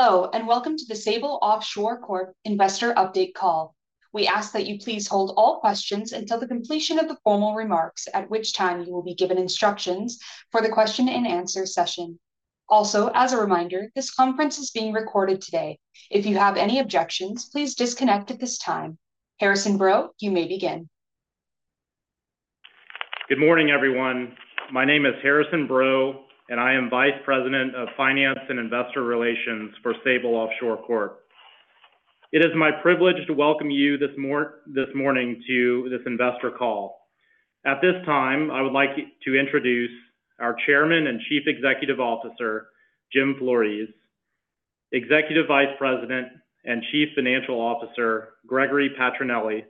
Hello, and welcome to the Sable Offshore Corp Investor update call. We ask that you please hold all questions until the completion of the formal remarks, at which time you will be given instructions for the question-and-answer session. Also, as a reminder, this conference is being recorded today. If you have any objections, please disconnect at this time. Harrison Breaud, you may begin. Good morning, everyone. My name is Harrison Breaud, and I am Vice President of Finance and Investor Relations for Sable Offshore Corp. It is my privilege to welcome you this morning to this investor call. At this time, I would like to introduce our Chairman and Chief Executive Officer, Jim Flores, Executive Vice President and Chief Financial Officer, Gregory Patrinely,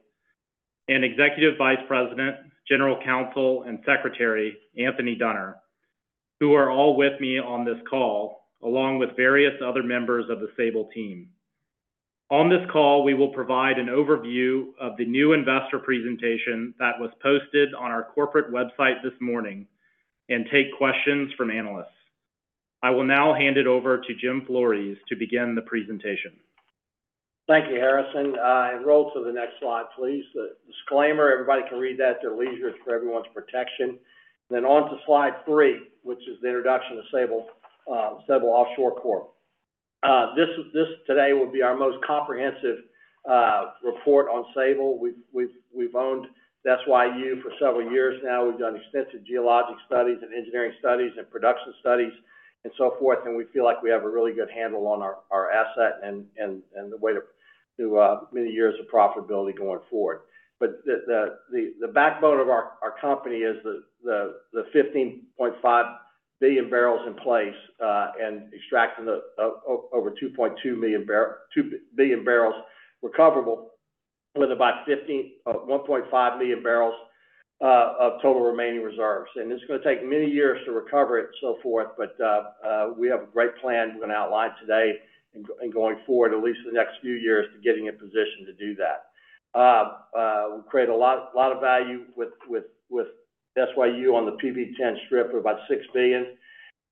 and Executive Vice President, General Counsel and Secretary, Anthony Duenner, who are all with me on this call, along with various other members of the Sable team. On this call, we will provide an overview of the new investor presentation that was posted on our corporate website this morning and take questions from analysts. I will now hand it over to Jim Flores to begin the presentation. Thank you, Harrison. Roll to the next slide, please. The disclaimer, everybody can read that at their leisure. It's for everyone's protection. On to slide three, which is the introduction to Sable Offshore Corp. This today will be our most comprehensive report on Sable. We've owned SYU for several years now. We've done extensive geologic studies and engineering studies and production studies and so forth, and we feel like we have a really good handle on our asset and the way to many years of profitability going forward. The backbone of our company is the 15.5 billion barrels in place, and extracting over 2 billion barrels recoverable with about 1.5 million barrels of total remaining reserves. It's going to take many years to recover it and so forth, but we have a great plan we're going to outline today and going forward, at least for the next few years, to getting in position to do that. We create a lot of value with SYU on the PV-10 strip of about $6 billion.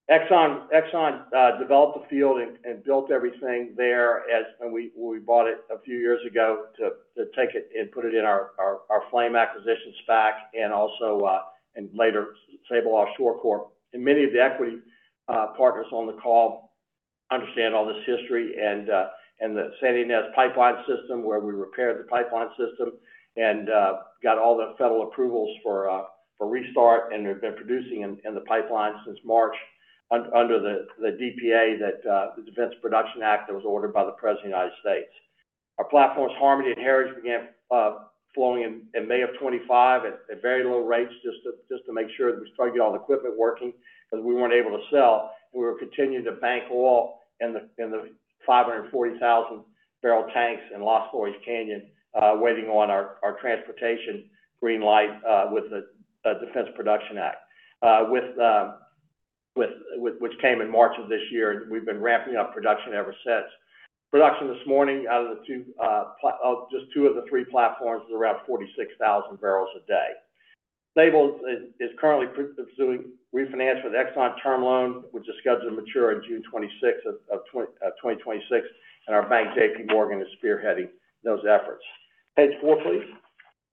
Exxon developed the field and built everything there. We bought it a few years ago to take it and put it in our Flame Acquisition Corp. SPAC, and later Sable Offshore Corp. Many of the equity partners on the call understand all this history and the Santa Ynez Pipeline System, where we repaired the pipeline system and got all the federal approvals for restart, and they've been producing in the pipeline since March under the DPA, the Defense Production Act, that was ordered by the President of the United States. Our platforms, Harmony and Heritage, began flowing in May of 2025 at very low rates just to make sure that we started to get all the equipment working because we weren't able to sell. We were continuing to bank oil in the 540,000-barrel tanks in Las Flores Canyon, waiting on our transportation green light with the Defense Production Act which came in March of this year. We've been ramping up production ever since. Production this morning out of just two of the three platforms is around 46,000 barrels a day. Sable is currently pursuing refinance for the Exxon term loan, which is scheduled to mature on June 26, 2026. Our bank, JPMorgan, is spearheading those efforts. Page four, please.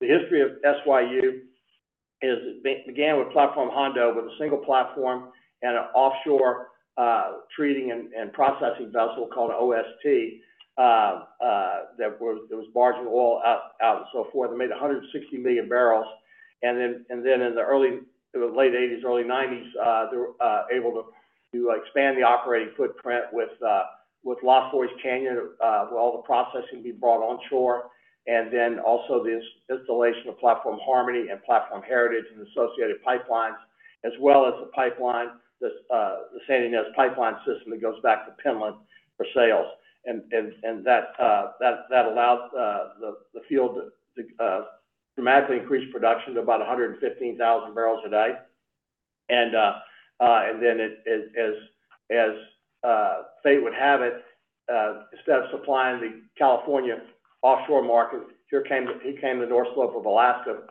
The history of SYU began with Platform Hondo, with a single platform and an offshore treating and processing vessel called OS&T that was barging oil out and so forth, and made 160 million barrels. In the late 1980s, early 1990s, they were able to expand the operating footprint with Las Flores Canyon, with all the processing being brought onshore, then also the installation of Platform Harmony and Platform Heritage and associated pipelines, as well as the Santa Ynez Pipeline System that goes back to Pentland for sales. That allowed the field to dramatically increase production to about 115,000 barrels a day. As fate would have it, instead of supplying the California offshore market, here came the North Slope of Alaska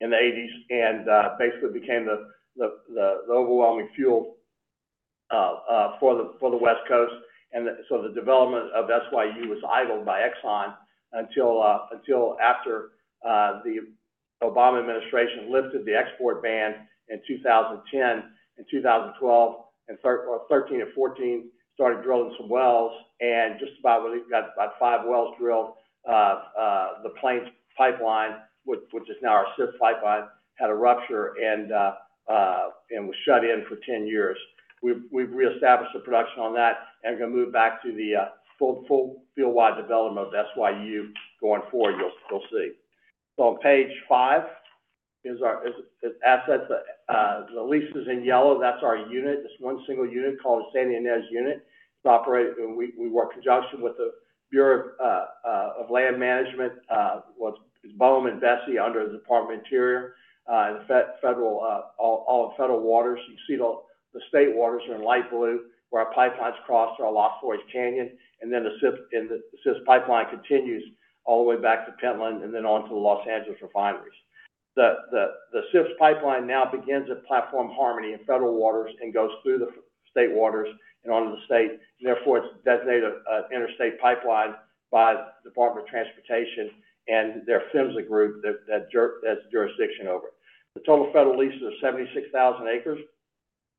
in the 1980s and basically became the overwhelming fuel for the West Coast. The development of SYU was idled by Exxon until after the Obama administration lifted the export ban in 2010. In 2012 and 2013 and 2014, started drilling some wells, and just about when we got about five wells drilled, the Plains Pipeline, which is now our Santa Ynez Pipeline System, had a rupture and was shut in for 10 years. We've reestablished the production on that and are going to move back to the full field-wide development of SYU going forward, you'll see. On page five is assets. The lease is in yellow. That's our unit. It's one single unit called the Santa Ynez Unit. We work in conjunction with the Bureau of Ocean Energy Management, what is BOEM and BSEE under the Department of the Interior, all federal waters. You see the state waters are in light blue where our pipelines cross through our Las Flores Canyon, and then the Santa Ynez Pipeline System continues all the way back to Pentland and then on to the Los Angeles refineries. The Santa Ynez Pipeline System now begins at Platform Harmony in federal waters and goes through the state waters and onto the state, and therefore it's designated an interstate pipeline by the Department of Transportation and their PHMSA group that has jurisdiction over it. The total federal leases are 76,000 acres,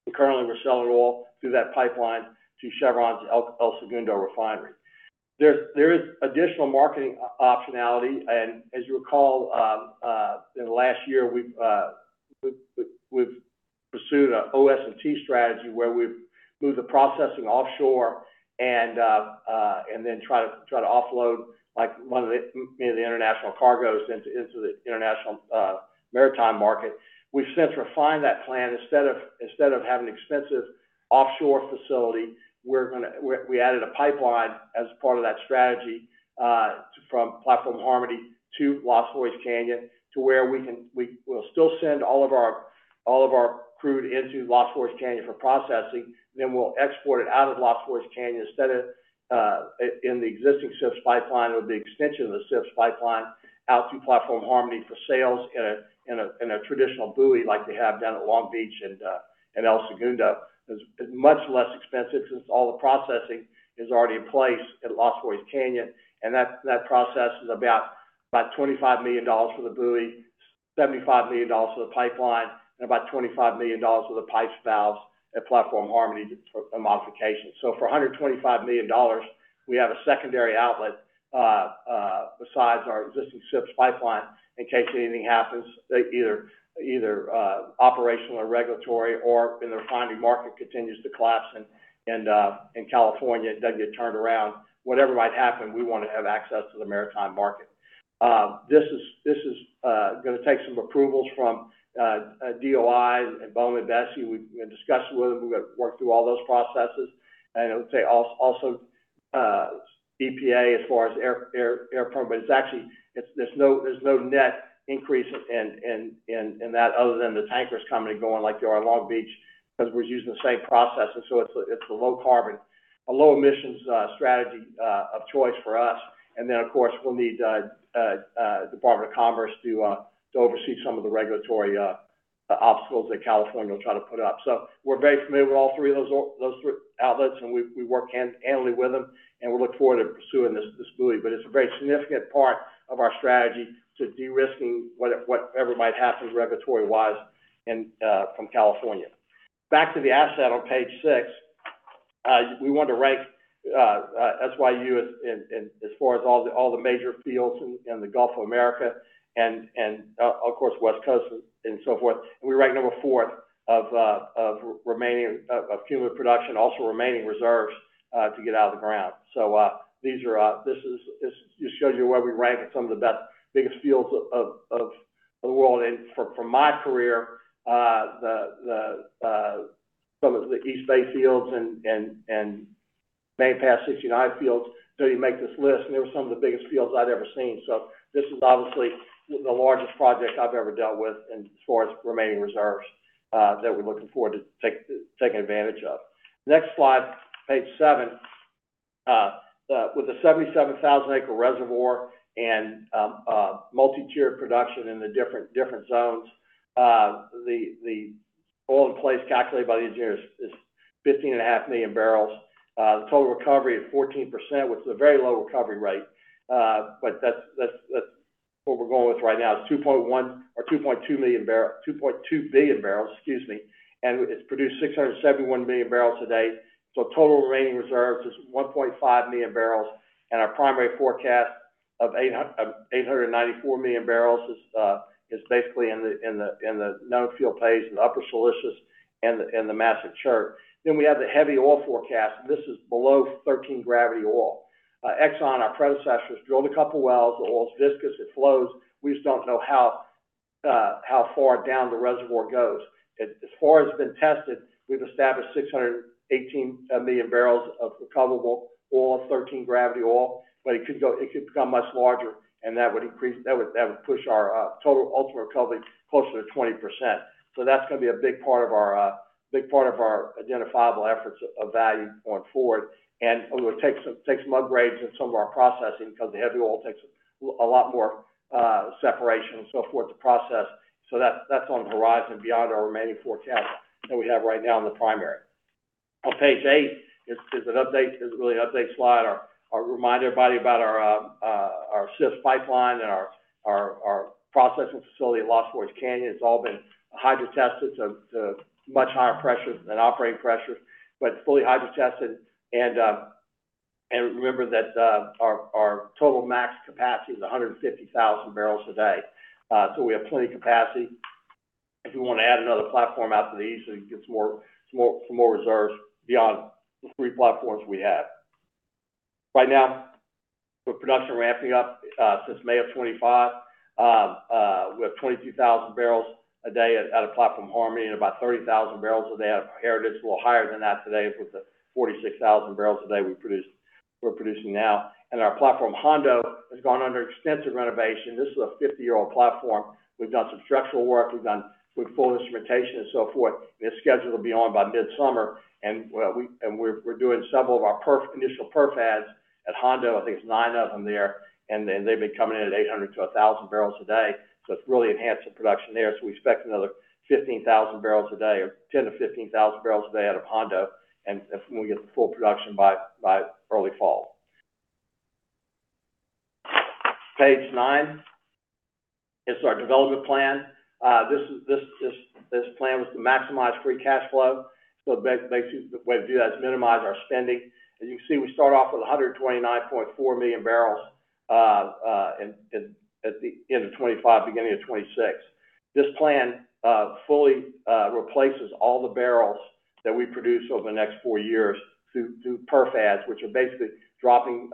and currently we're selling oil through that pipeline to Chevron's El Segundo Refinery. There is additional marketing optionality, and as you recall, in the last year, we've pursued an OS&T strategy where we've moved the processing offshore and then try to offload one of the international cargoes into the international maritime market. We've since refined that plan. Instead of having an expensive offshore facility, we added a pipeline as part of that strategy from Platform Harmony to Las Flores Canyon to where we will still send all of our crude into Las Flores Canyon for processing. We'll export it out of Las Flores Canyon instead of in the existing Santa Ynez Pipeline System or the extension of the Santa Ynez Pipeline System out through Platform Harmony for sales in a traditional buoy like they have down at Long Beach and El Segundo. It's much less expensive since all the processing is already in place at Las Flores Canyon, and that process is about $25 million for the buoy, $75 million for the pipeline, and about $25 million worth of pipe valves at Platform Harmony for the modification. For $125 million, we have a secondary outlet besides our existing SIF pipeline in case anything happens, either operational or regulatory, or the refinery market continues to collapse in California and doesn't get turned around. Whatever might happen, we want to have access to the maritime market. This is going to take some approvals from DOI and BOEM and BSEE. We've been discussing with them. We've got to work through all those processes. I would say also, EPA as far as air permit. There's no net increase in that other than the tankers coming and going like they are in Long Beach because we're using the same process. It's a low carbon, a low emissions strategy of choice for us. Of course, we'll need Department of Commerce to oversee some of the regulatory obstacles that California will try to put up. We're very familiar with all three of those outlets, and we work hand in hand with them, and we look forward to pursuing this buoy. It's a very significant part of our strategy to de-risking whatever might happen regulatory-wise from California. Back to the asset on page six. We wanted to rank SYU as far as all the major fields in the Gulf of Mexico and of course, West Coast and so forth. We ranked number four of cumulative production, also remaining reserves to get out of the ground. This just shows you where we rank at some of the biggest fields of the world. From my career, some of the East Bay fields and Main Pass 69 fields didn't even make this list, and they were some of the biggest fields I'd ever seen. This is obviously the largest project I've ever dealt with as far as remaining reserves that we're looking forward to taking advantage of. Next slide, page seven. With a 77,000-acre reservoir and multi-tiered production in the different zones, the oil in place calculated by the engineers is 15.5 million barrels. The total recovery of 14%, which is a very low recovery rate. That's what we're going with right now is 2.2 billion barrels. It's produced 671 million barrels a day. Total remaining reserves is 1.5 million barrels. Our primary forecast of 894 million barrels is basically in the known field plays in the Upper Siliceous and the Massive Chert. We have the heavy oil forecast. This is below 13 gravity oil. Exxon, our predecessors, drilled a couple wells. The oil is viscous. It flows. We just don't know how far down the reservoir goes. As far as has been tested, we've established 618 million barrels of recoverable oil, 13 gravity oil, it could become much larger, and that would push our total ultimate recovery closer to 20%. That's going to be a big part of our identifiable efforts of value going forward. It will take some upgrades in some of our processing because the heavy oil takes a lot more separation and so forth to process. That's on the horizon beyond our remaining forecast that we have right now in the primary. On page eight is really an update slide. I'll remind everybody about our SIFS pipeline and our processing facility at Las Flores Canyon. It's all been hydro-tested to much higher pressures than operating pressures. It's fully hydro-tested, and remember that our total max capacity is 150,000 barrels a day. We have plenty of capacity if we want to add another platform out to the east so we can get some more reserves beyond the three platforms we have. Right now, with production ramping up since May of 2025, we have 22,000 barrels a day out of Platform Harmony and about 30,000 barrels a day out of Heritage, a little higher than that today with the 46,000 barrels a day we produced. We're producing now, our platform, Hondo, has gone under extensive renovation. This is a 50-year-old platform. We've done some structural work. We've done full instrumentation and so forth. It's scheduled to be on by mid-summer, we're doing several of our initial perf adds at Hondo. I think it's nine of them there, they've been coming in at 800 to 1,000 barrels a day. It's really enhanced the production there. We expect another 15,000 barrels a day or 10,000 to 15,000 barrels a day out of Hondo, and when we get the full production by early fall. Page nine is our development plan. This plan was to maximize free cash flow, the best way to do that is minimize our spending. As you can see, we start off with 129.4 million barrels at the end of 2025, beginning of 2026. This plan fully replaces all the barrels that we produce over the next four years through perf adds, which are basically dropping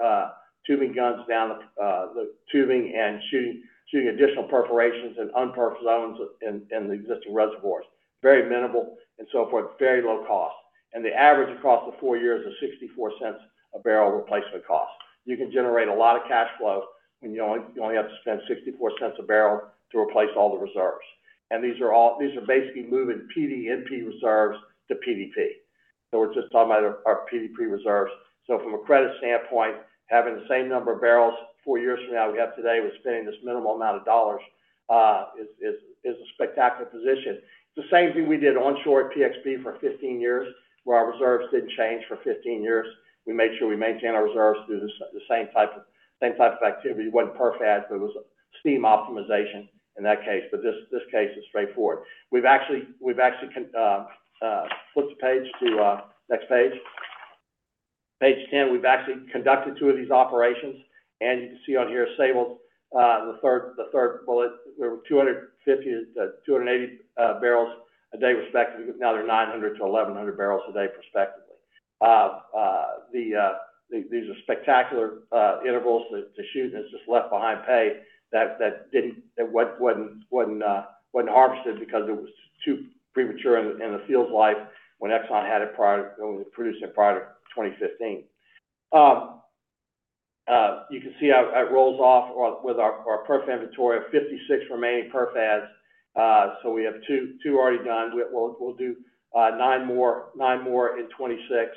tubing guns down the tubing and shooting additional perforations in un-perfed zones in the existing reservoirs, very minimal and so forth, very low cost. The average across the four years is $0.64 a barrel replacement cost. You can generate a lot of cash flow when you only have to spend $0.64 a barrel to replace all the reserves. These are basically moving PDNP reserves to PDP. We're just talking about our PDP reserves. From a credit standpoint, having the same number of barrels four years from now we have today with spending this minimal amount of dollars is a spectacular position. It's the same thing we did onshore at PXP for 15 years, where our reserves didn't change for 15 years. We made sure we maintained our reserves through the same type of activity. It wasn't perf adds, but it was steam optimization in that case. This case is straightforward. We've actually flip the page to next page. Page 10, we've actually conducted two of these operations. You can see on here, Sable's, the third bullet, there were 250-280 barrels a day respectively. Now they're 900-1,100 barrels a day respectively. These are spectacular intervals to shoot. It's just left behind pay that wasn't harvested because it was too premature in the field's life when Exxon had it when we produced it in prior to 2015. You can see how it rolls off with our perf inventory of 56 remaining perf adds. We have two already done. We'll do nine more in 2026,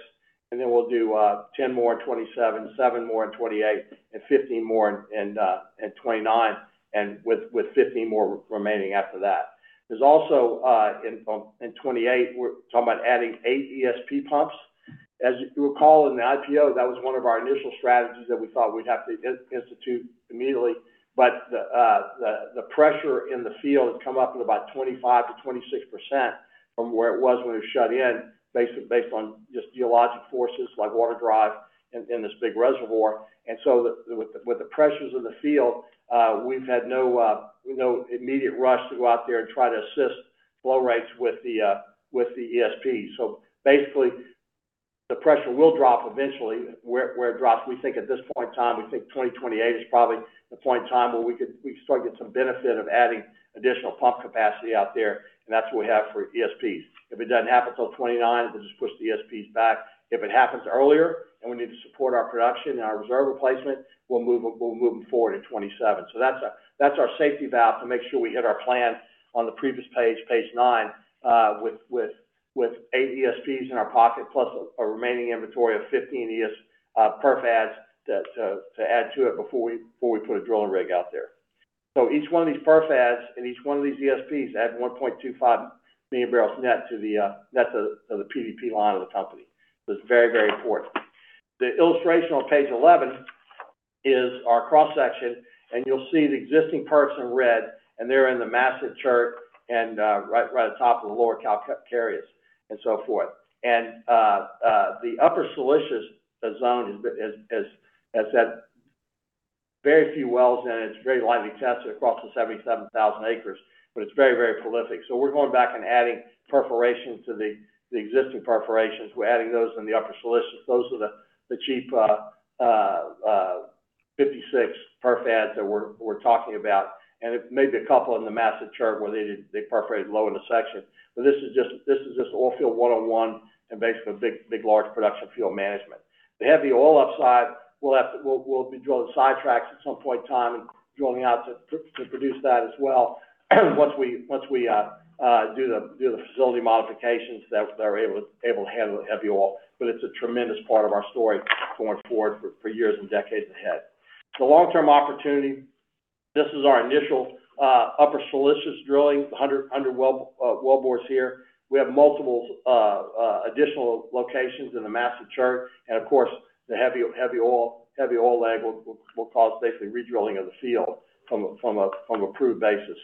and then we'll do 10 more in 2027, seven more in 2028, and 15 more in 2029, and with 15 more remaining after that. There's also, in 2028, we're talking about adding eight ESP pumps. As you'll recall, in the IPO, that was one of our initial strategies that we thought we'd have to institute immediately. The pressure in the field has come up at about 25%-26% from where it was when it was shut in based on just geologic forces like water drive in this big reservoir. With the pressures in the field, we've had no immediate rush to go out there and try to assist flow rates with the ESPs. Basically, the pressure will drop eventually. Where it drops, we think at this point in time, we think 2028 is probably the point in time where we could start get some benefit of adding additional pump capacity out there, and that's what we have for ESPs. If it doesn't happen until 2029, it'll just push the ESPs back. If it happens earlier and we need to support our production and our reserve replacement, we'll move them forward to 2027. That's our safety valve to make sure we hit our plan on the previous page nine, with eight ESPs in our pocket, plus a remaining inventory of 15 perf adds to add to it before we put a drilling rig out there. Each one of these perf adds and each one of these ESPs add 1.25 million barrels net to the PDP line of the company. It's very, very important. The illustration on page 11 is our cross-section. You'll see the existing perfs in red. They're in the Massive Chert and right at the top of the Lower Calcareous and so forth. The Upper Siliceous zone has had very few wells in it. It's very lightly tested across the 77,000 acres, it's very prolific. We're going back and adding perforations to the existing perforations. We're adding those in the Upper Siliceous. Those are the cheap 56 perf adds that we're talking about, and maybe a couple in the Massive Chert where they perforated low in the section. This is just oil field 101 and basically a big, large production field management. The heavy oil upside, we'll be drilling sidetracks at some point in time and drilling out to produce that as well once we do the facility modifications that are able to handle the heavy oil. It's a tremendous part of our story going forward for years and decades ahead. The long-term opportunity, this is our initial Upper Siliceous drilling, the 100 wellbores here. We have multiple additional locations in the Massive Chert. Of course, the heavy oil leg will cause basically redrilling of the field from a proved basis.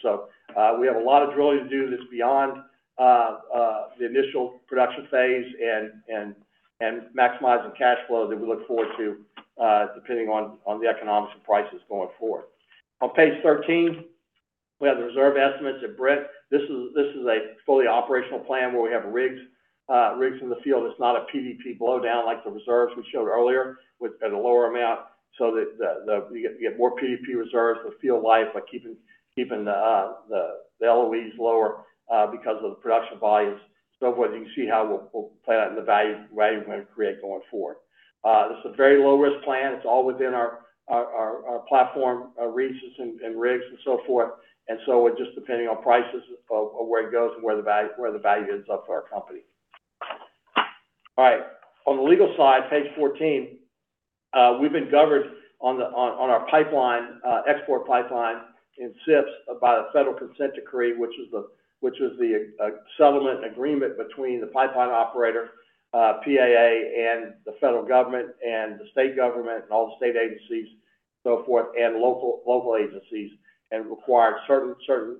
We have a lot of drilling to do that's beyond the initial production phase and maximizing cash flow that we look forward to, depending on the economics and prices going forward. On page 13, we have the reserve estimates at Brent. This is a fully operational plan where we have rigs in the field. It's not a PDP blowdown like the reserves we showed earlier, with a lower amount so that you get more PDP reserves, the field life by keeping the LOEs lower because of the production volumes and so forth. You can see how we'll play that in the value we're going to create going forward. This is a very low-risk plan. It's all within our platform, our rigs, and so forth. Just depending on prices of where it goes and where the value ends up for our company. All right. On the legal side, page 14, we've been governed on our export pipeline in SYPS by the federal consent decree, which was the settlement and agreement between the pipeline operator, PAA, and the federal government and the state government and all the state agencies, so forth, and local agencies, and required certain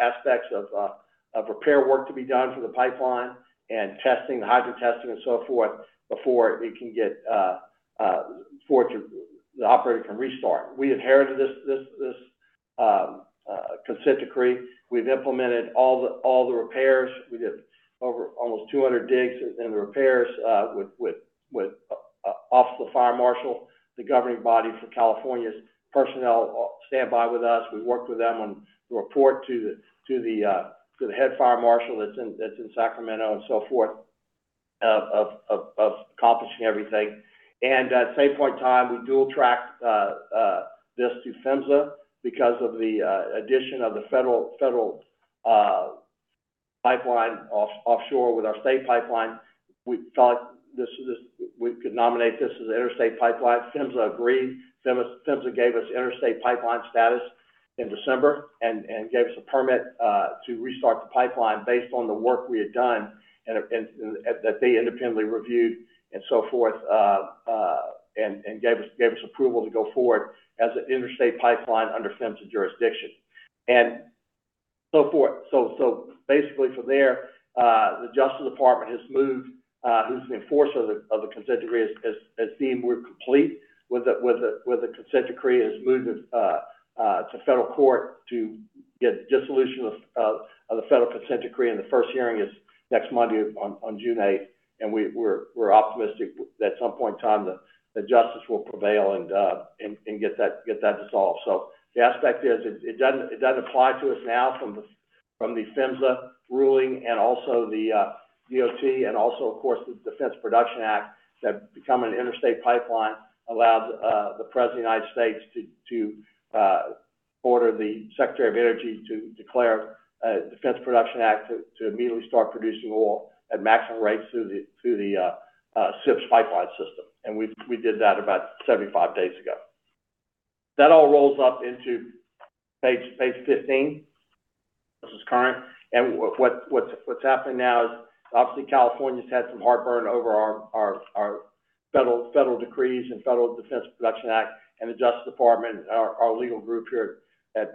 aspects of prepare work to be done for the pipeline and hydrotesting and so forth before the operator can restart. We inherited this consent decree. We've implemented all the repairs. We did almost 200 digs and repairs with Office of the State Fire Marshal, the governing body for California's personnel standby with us. We worked with them on the report to the Head Fire Marshal that's in Sacramento and so forth of accomplishing everything. At the same point in time, we dual-tracked this to PHMSA because of the addition of the federal pipeline offshore with our state pipeline. We thought we could nominate this as an interstate pipeline. PHMSA agreed. PHMSA gave us interstate pipeline status in December and gave us a permit to restart the pipeline based on the work we had done and that they independently reviewed and so forth, and gave us approval to go forward as an interstate pipeline under PHMSA jurisdiction, and so forth. Basically from there, the Department of Justice, who's the enforcer of the consent decree, has deemed we're complete with the consent decree, has moved to federal court to get dissolution of the federal consent decree, and the first hearing is next Monday on June 8th. We're optimistic that at some point in time that justice will prevail and get that dissolved. The aspect is it doesn't apply to us now from the PHMSA ruling and also the DOT and also, of course, the Defense Production Act that become an interstate pipeline allowed the President of the United States to order the Secretary of Energy to declare a Defense Production Act to immediately start producing oil at maximum rates through the SIPS pipeline system. We did that about 75 days ago. That all rolls up into page 15. This is current. What's happening now is obviously California's had some heartburn over our federal decrees and Federal Defense Production Act, and the Department of Justice, our legal group here at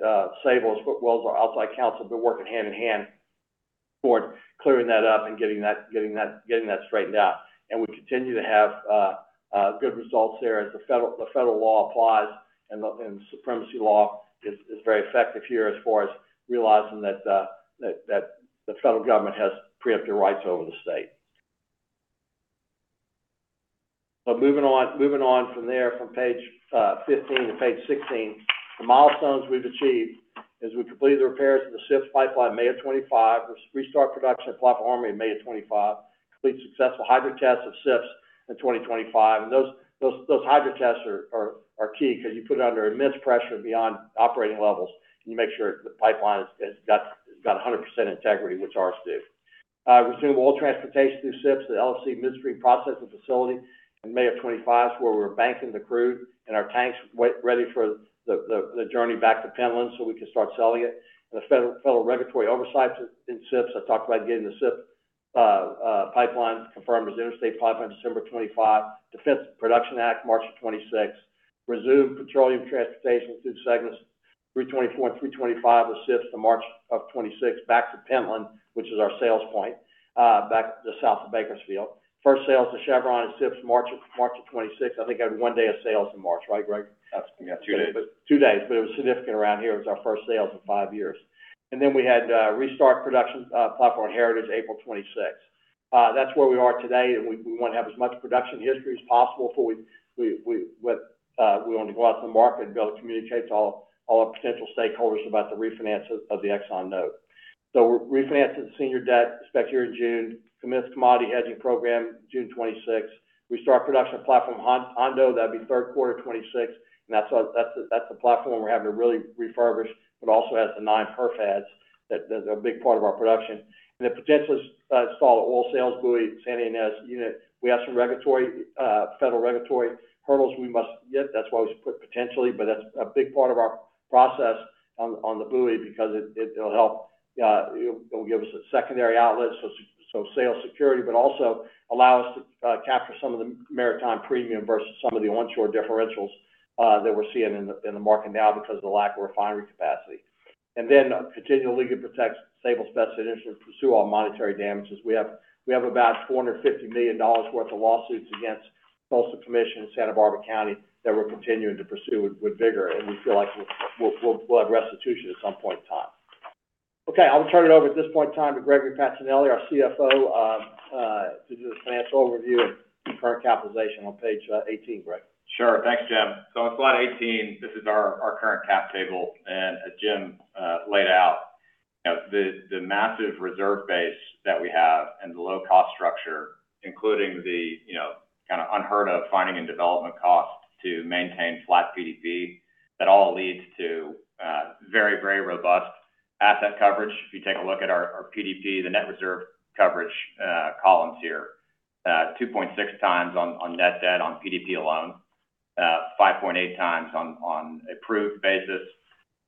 Sable as well as our outside counsel, have been working hand in hand toward clearing that up and getting that straightened out. We continue to have good results there as the federal law applies, supremacy law is very effective here as far as realizing that the federal government has preemptive rights over the state. Moving on from there, from page 15 to page 16, the milestones we've achieved is we completed the repairs to the SIPS pipeline May of 2025. We restart production at Platform Harmony in May of 2025. Complete successful hydrotests of SIPS in 2025. Those hydrotests are key because you put it under immense pressure beyond operating levels, you make sure the pipeline has got 100% integrity, which ours do. Resume oil transportation through SIPS to the LFC Midstream processing facility in May of 2025, where we're banking the crude and our tanks ready for the journey back to Pentland so we can start selling it. The federal regulatory oversight in SIPS. I talked about getting the SIPS pipeline confirmed as interstate pipeline December of 2025. Defense Production Act March of 2026. Resumed petroleum transportation through segments 324 and 325 of SIPS in March of 2026 back to Pentland, which is our sales point back to south of Bakersfield. First sales to Chevron in SIPS March of 2026. I think I had one day of sales in March, right, Gregory? That's two days. It was significant around here. It was our first sales in five years. We had restart production Platform Harmony April 2026. That's where we are today, we want to have as much production history as possible before we want to go out to the market and be able to communicate to all our potential stakeholders about the refinance of the Exxon note. Refinance of the senior debt expected here in June. Commence commodity hedging program June 2026. Restart production at Platform Hondo, that'd be third quarter 2026. That's the platform we're having to really refurbish, also has the nine perf heads that are a big part of our production. Potentially install the oil sales buoy at Santa Ynez Unit. We have some federal regulatory hurdles we must hit. That's why we put potentially, but that's a big part of our process on the buoy because it'll give us a secondary outlet, so sale security, but also allow us to capture some of the maritime premium versus some of the onshore differentials that we're seeing in the market now because of the lack of refinery capacity. Continue legal protects Sable's best interests to pursue all monetary damages. We have about $450 million worth of lawsuits against Coastal Commission and Santa Barbara County that we're continuing to pursue with vigor, and we feel like we'll have restitution at some point in time. Okay, I'll turn it over at this point in time to Gregory Patrinely, our CFO, to do the financial overview of the current capitalization on page 18, Gregory. Sure. Thanks, Jim. On slide 18, this is our current cap table. As Jim laid out, the massive reserve base that we have and the low cost structure, including the unheard of finding and development cost to maintain flat PDP, that all leads to very robust asset coverage. If you take a look at our PDP, the net reserve coverage columns here, 2.6 times on net debt on PDP alone, 5.8 times on approved basis,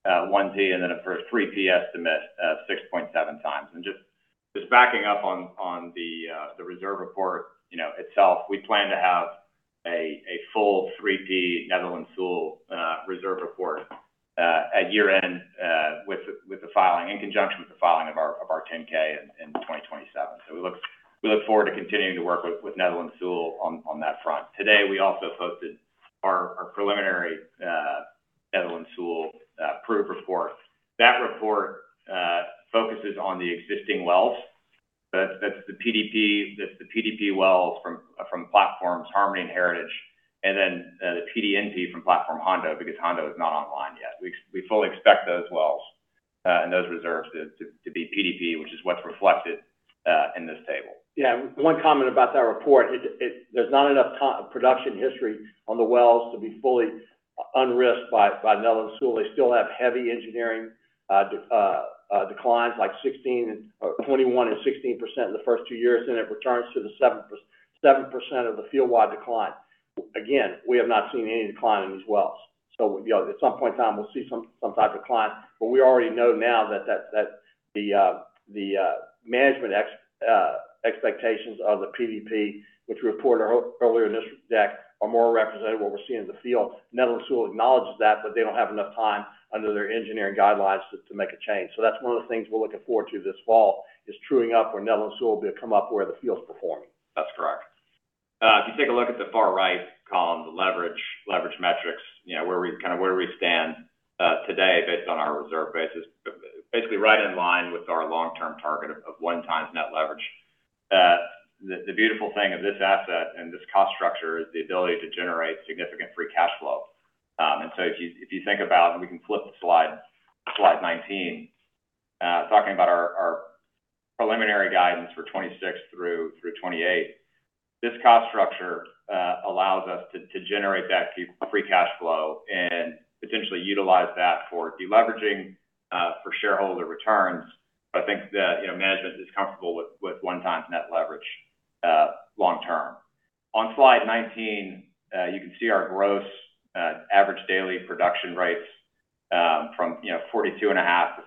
1P and then a first 3P estimate of 6.7 times. Just backing up on the reserve report itself, we plan to have a full 3P Netherland, Sewell reserve report at year-end with the filing, in conjunction with the filing of our 10-K in 2027. We look forward to continuing to work with Netherland, Sewell on that front. Today, we also posted our preliminary Netherland, Sewell approved report. That report focuses on the existing wells. That's the PDP wells from the platforms, Harmony and Heritage, and then the PDNP from platform Hondo, because Hondo is not online yet. We fully expect those wells and those reserves to be PDP, which is what's reflected in this table. Yeah. One comment about that report, there's not enough production history on the wells to be fully un-risked by Netherland, Sewell. They still have heavy engineering declines, like 21% and 16% in the first two years, then it returns to the 7% of the field-wide decline. Again, we have not seen any decline in these wells. At some point in time, we'll see some type of decline, but we already know now that the management expectations of the PDP, which we reported earlier in this deck, are more representative of what we're seeing in the field. Netherland, Sewell acknowledges that, but they don't have enough time under their engineering guidelines to make a change. That's one of the things we're looking forward to this fall, is truing up where Netherland, Sewell will come up where the field's performing. That's correct. If you take a look at the far right column, the leverage metrics, where do we stand today based on our reserve basis, basically right in line with our long-term target of one times net leverage. The beautiful thing of this asset and this cost structure is the ability to generate significant free cash flow. If you think about, and we can flip the slide 19, talking about our preliminary guidance for 2026 through 2028. This cost structure allows us to generate that free cash flow and potentially utilize that for de-leveraging for shareholder returns. I think that management is comfortable with one times net leverage long-term. On slide 19, you can see our gross average daily production rates from 42.5-47.5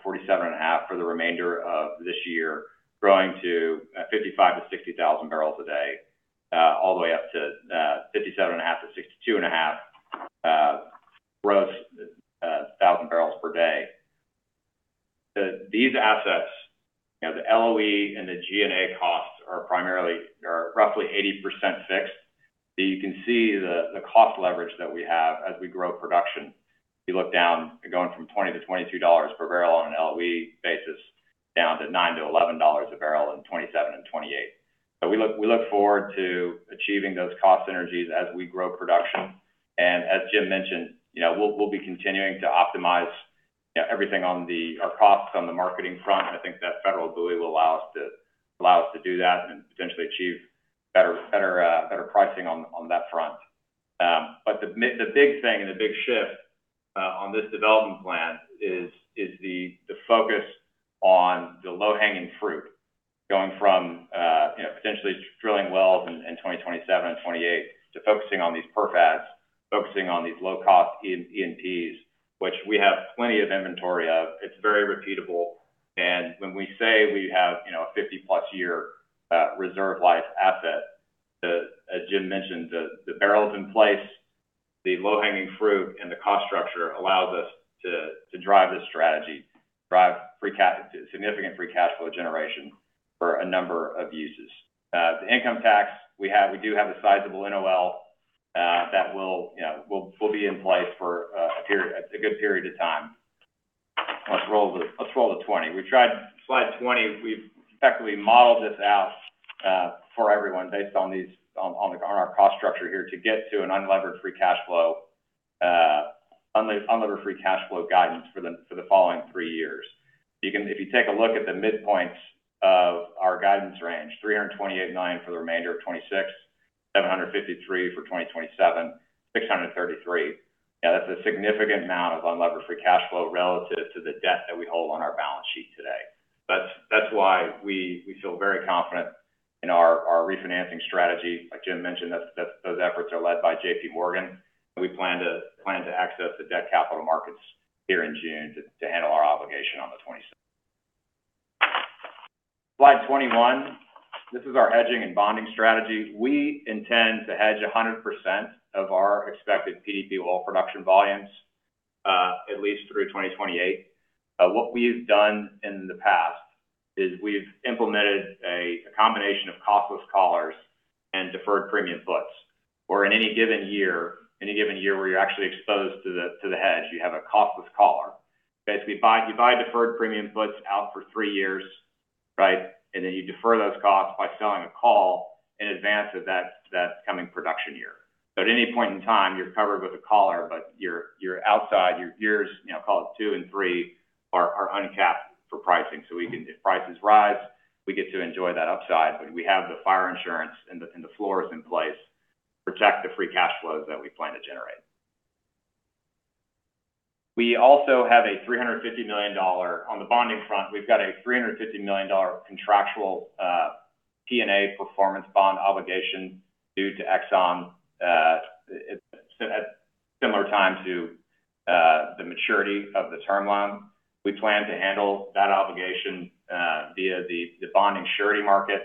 for the remainder of this year, growing to 55,000-60,000 barrels a day, all the way up to 57.5-62.5 gross thousand barrels per day. These assets, the LOE and the G&A costs are roughly 80% fixed. You can see the cost leverage that we have as we grow production. If you look down, going from $20-$22 per barrel on an LOE basis, down to $9-$11 a barrel in 2027 and 2028. We look forward to achieving those cost synergies as we grow production. As Jim mentioned, we'll be continuing to optimize everything on our costs on the marketing front. I think that federal buoy will allow us to do that and potentially achieve better pricing on that front. The big thing and the big shift on this development plan is the focus on the low-hanging fruit, going from potentially drilling wells in 2027 and 2028 to focusing on these perf ads, focusing on these low-cost E&Ps, which we have plenty of inventory of. It's very repeatable, and when we say we have a 50-plus year reserve life asset, as Jim mentioned, the barrels in place, the low-hanging fruit, and the cost structure allows us to drive this strategy, drive significant free cash flow generation for a number of uses. The income tax, we do have a sizable NOL that will be in place for a good period of time. Let's roll to 20. We've effectively modeled this out for everyone based on our cost structure here to get to an unlevered free cash flow guidance for the following three years. If you take a look at the midpoints of our guidance range, $328.9 for the remainder of 2026, $753 for 2027, $633. That's a significant amount of unlevered free cash flow relative to the debt that we hold on our balance sheet today. That's why we feel very confident in our refinancing strategy. Like Jim mentioned, those efforts are led by JPMorgan. We plan to access the debt capital markets here in June to handle our obligation on the 2026. Slide 21. This is our hedging and bonding strategy. We intend to hedge 100% of our expected PDP oil production volumes, at least through 2028. What we've done in the past is we've implemented a combination of costless collars and deferred premium puts. Where in any given year where you're actually exposed to the hedge, you have a costless collar. You buy deferred premium puts out for three years, right? You defer those costs by selling a call in advance of that coming production year. At any point in time, you're covered with a collar, but your outside, your years call it two and three, are uncapped for pricing. If prices rise, we get to enjoy that upside. We have the fire insurance and the floors in place to protect the free cash flows that we plan to generate. We also have a $350 million, on the bonding front, we've got a $350 million contractual P&A performance bond obligation due to Exxon at a similar time to the maturity of the term loan. We plan to handle that obligation via the bonding surety market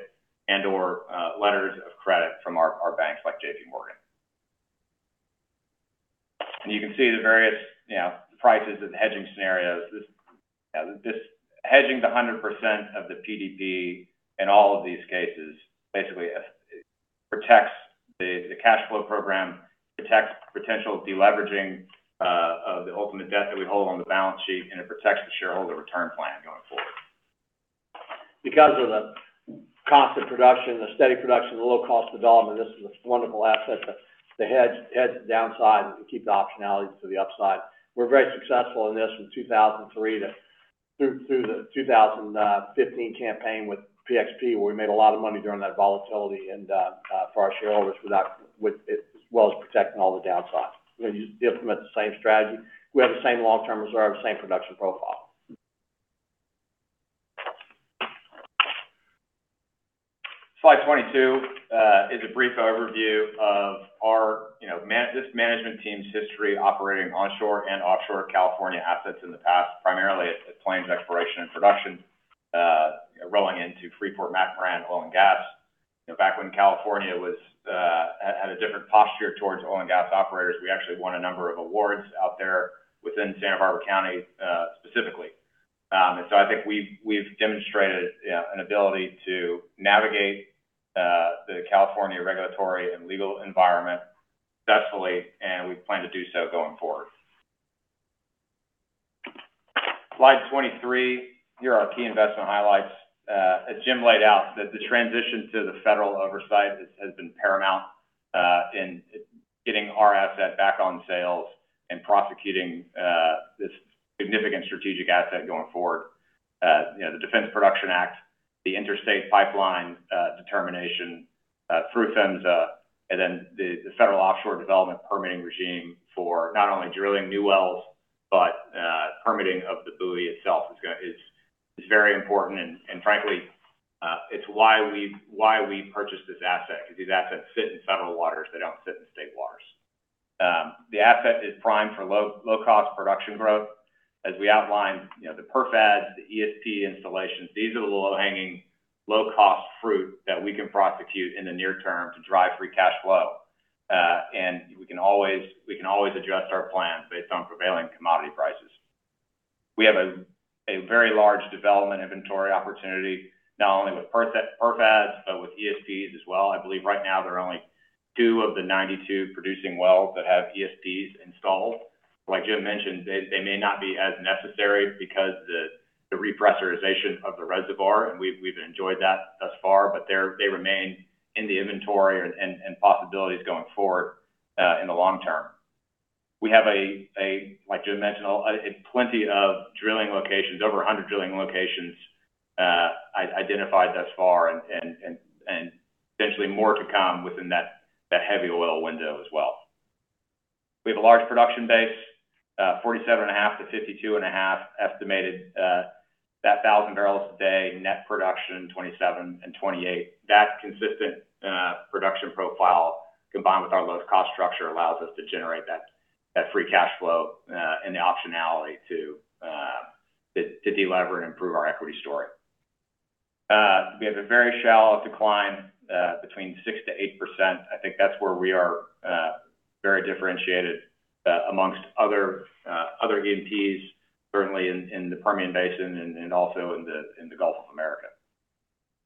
and/or letters of credit from our banks like JPMorgan. You can see the various prices of the hedging scenarios. Hedging the 100% of the PDP in all of these cases basically protects the cash flow program, protects potential deleveraging of the ultimate debt that we hold on the balance sheet, and it protects the shareholder return plan going forward. Because of the constant production, the steady production, the low cost of development, this is a wonderful asset to hedge the downside and keep the optionality to the upside. We're very successful in this from 2003 through the 2015 campaign with PXP, where we made a lot of money during that volatility and for our shareholders, as well as protecting all the downsides. We implement the same strategy. We have the same long-term reserve, same production profile. Slide 22 is a brief overview of this management team's history operating onshore and offshore California assets in the past, primarily at Plains Exploration & Production, rolling into Freeport-McMoRan Oil & Gas. Back when California had a different posture towards oil and gas operators, we actually won a number of awards out there within Santa Barbara County, specifically. I think we've demonstrated an ability to navigate the California regulatory and legal environment successfully, and we plan to do so going forward. Slide 23, here are our key investment highlights. As Jim laid out, the transition to the federal oversight has been paramount in getting our asset back on sales and prosecuting this significant strategic asset going forward. The Defense Production Act, the interstate pipeline determination through PHMSA, then the federal offshore development permitting regime for not only drilling new wells, but permitting of the buoy itself is very important. Frankly, it's why we purchased this asset, because these assets sit in federal waters, they don't sit in state waters. The asset is primed for low-cost production growth. As we outlined, the perf adds, the ESP installations, these are the low-hanging, low-cost fruit that we can prosecute in the near term to drive free cash flow. We can always adjust our plans based on prevailing commodity prices. We have a very large development inventory opportunity, not only with perf adds, but with ESPs as well. I believe right now there are only two of the 92 producing wells that have ESPs installed. Like Jim mentioned, they may not be as necessary because the repressurization of the reservoir, and we've enjoyed that thus far, but they remain in the inventory and possibilities going forward in the long term. We have, like Jim mentioned, plenty of drilling locations, over 100 drilling locations identified thus far and potentially more to come within that heavy oil window as well. We have a large production base, 47.5-52.5 estimated, that 1,000 barrels a day net production in 2027 and 2028. That consistent production profile, combined with our low cost structure, allows us to generate that free cash flow and the optionality to delever and improve our equity story. We have a very shallow decline, between 6%-8%. I think that's where we are very differentiated amongst other E&Ps, certainly in the Permian Basin and also in the Gulf of Mexico.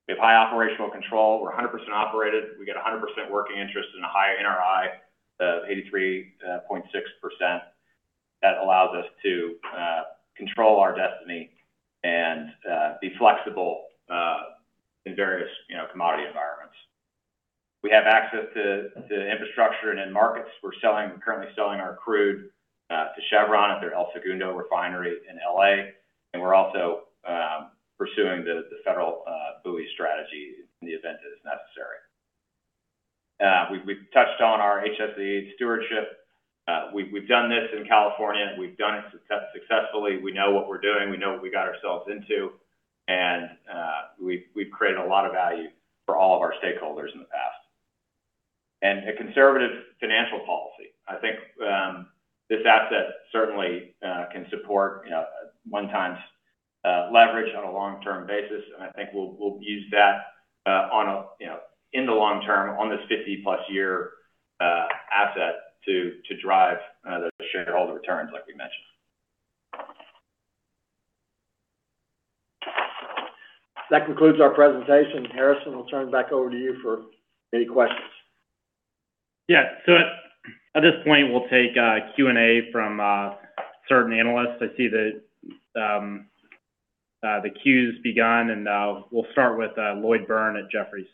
We have high operational control. We're 100% operated. We get 100% working interest and a high NRI of 83.6%. That allows us to control our destiny and be flexible in various commodity environments. We have access to infrastructure and end markets. We're currently selling our crude to Chevron at their El Segundo Refinery in L.A., and we're also pursuing the federal buoy strategy in the event that it's necessary. We've touched on our HSE stewardship. We've done this in California, and we've done it successfully. We know what we're doing. We know what we got ourselves into, and we've created a lot of value for all of our stakeholders in the past. A conservative financial policy. I think this asset certainly can support one times leverage on a long-term basis, and I think we'll use that in the long term on this 50-plus year asset to drive the shareholder returns like we mentioned. That concludes our presentation. Harrison, we'll turn it back over to you for any questions. Yeah. At this point, we'll take Q and A from certain analysts. I see the queue's begun, and we'll start with Lloyd Byrne at Jefferies.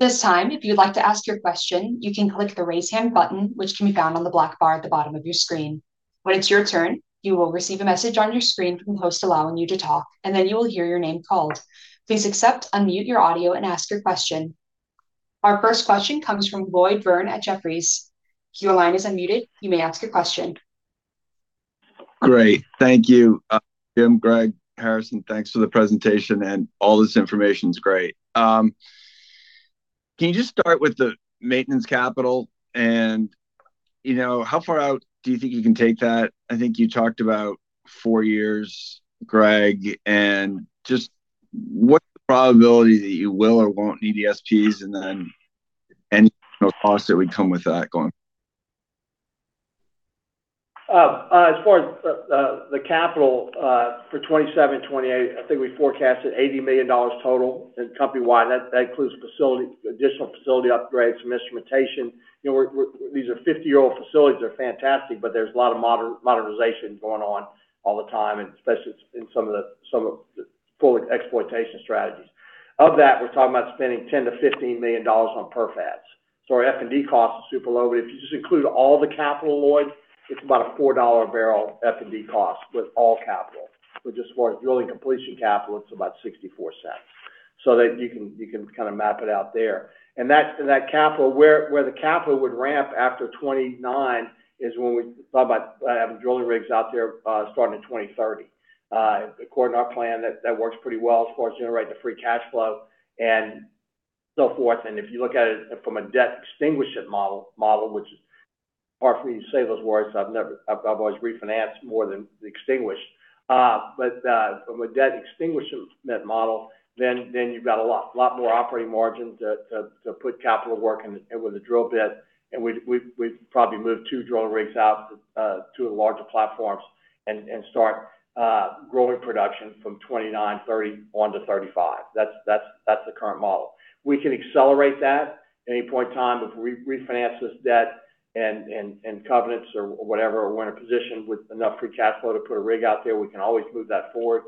This time, if you'd like to ask your question, you can click the raise hand button, which can be found on the black bar at the bottom of your screen. When it's your turn, you will receive a message on your screen from the host allowing you to talk, and then you will hear your name called. Please accept, unmute your audio, and ask your question. Our first question comes from Lloyd Byrne at Jefferies. Your line is unmuted. You may ask your question. Great. Thank you, Jim, Gregory, Harrison. Thanks for the presentation. All this information's great. Can you just start with the maintenance capital and how far out do you think you can take that? I think you talked about four years, Gregory, and just what's the probability that you will or won't need ESPs and then any additional cost that would come with that going forward? As far as the capital for 2027, 2028, I think we forecasted $80 million total and company-wide. That includes additional facility upgrades, some instrumentation. These are 50-year-old facilities, they're fantastic, but there's a lot of modernization going on all the time, and especially in some of the full exploitation strategies. Of that, we're talking about spending $10 million-$15 million on perf ads. Our F&D cost is super low, but if you just include all the capital, Lloyd, it's about a $4 a barrel F&D cost with all capital, but just as far as drilling completion capital, it's about $0.64. That you can map it out there. Where the capital would ramp after 2029 is when we talk about having drilling rigs out there starting in 2030. According to our plan, that works pretty well as far as generating the free cash flow and so forth. If you look at it from a debt extinguishment model, which is hard for me to say those words, I've always refinanced more than extinguished. From a debt extinguishment model, you've got a lot more operating margin to put capital work in with the drill bit. We'd probably move two drilling rigs out to the larger platforms and start growing production from 2029, 2030, on to 2035. That's the current model. We can accelerate that any point in time if we refinance this debt and covenants or whatever, or we're in a position with enough free cash flow to put a rig out there. We can always move that forward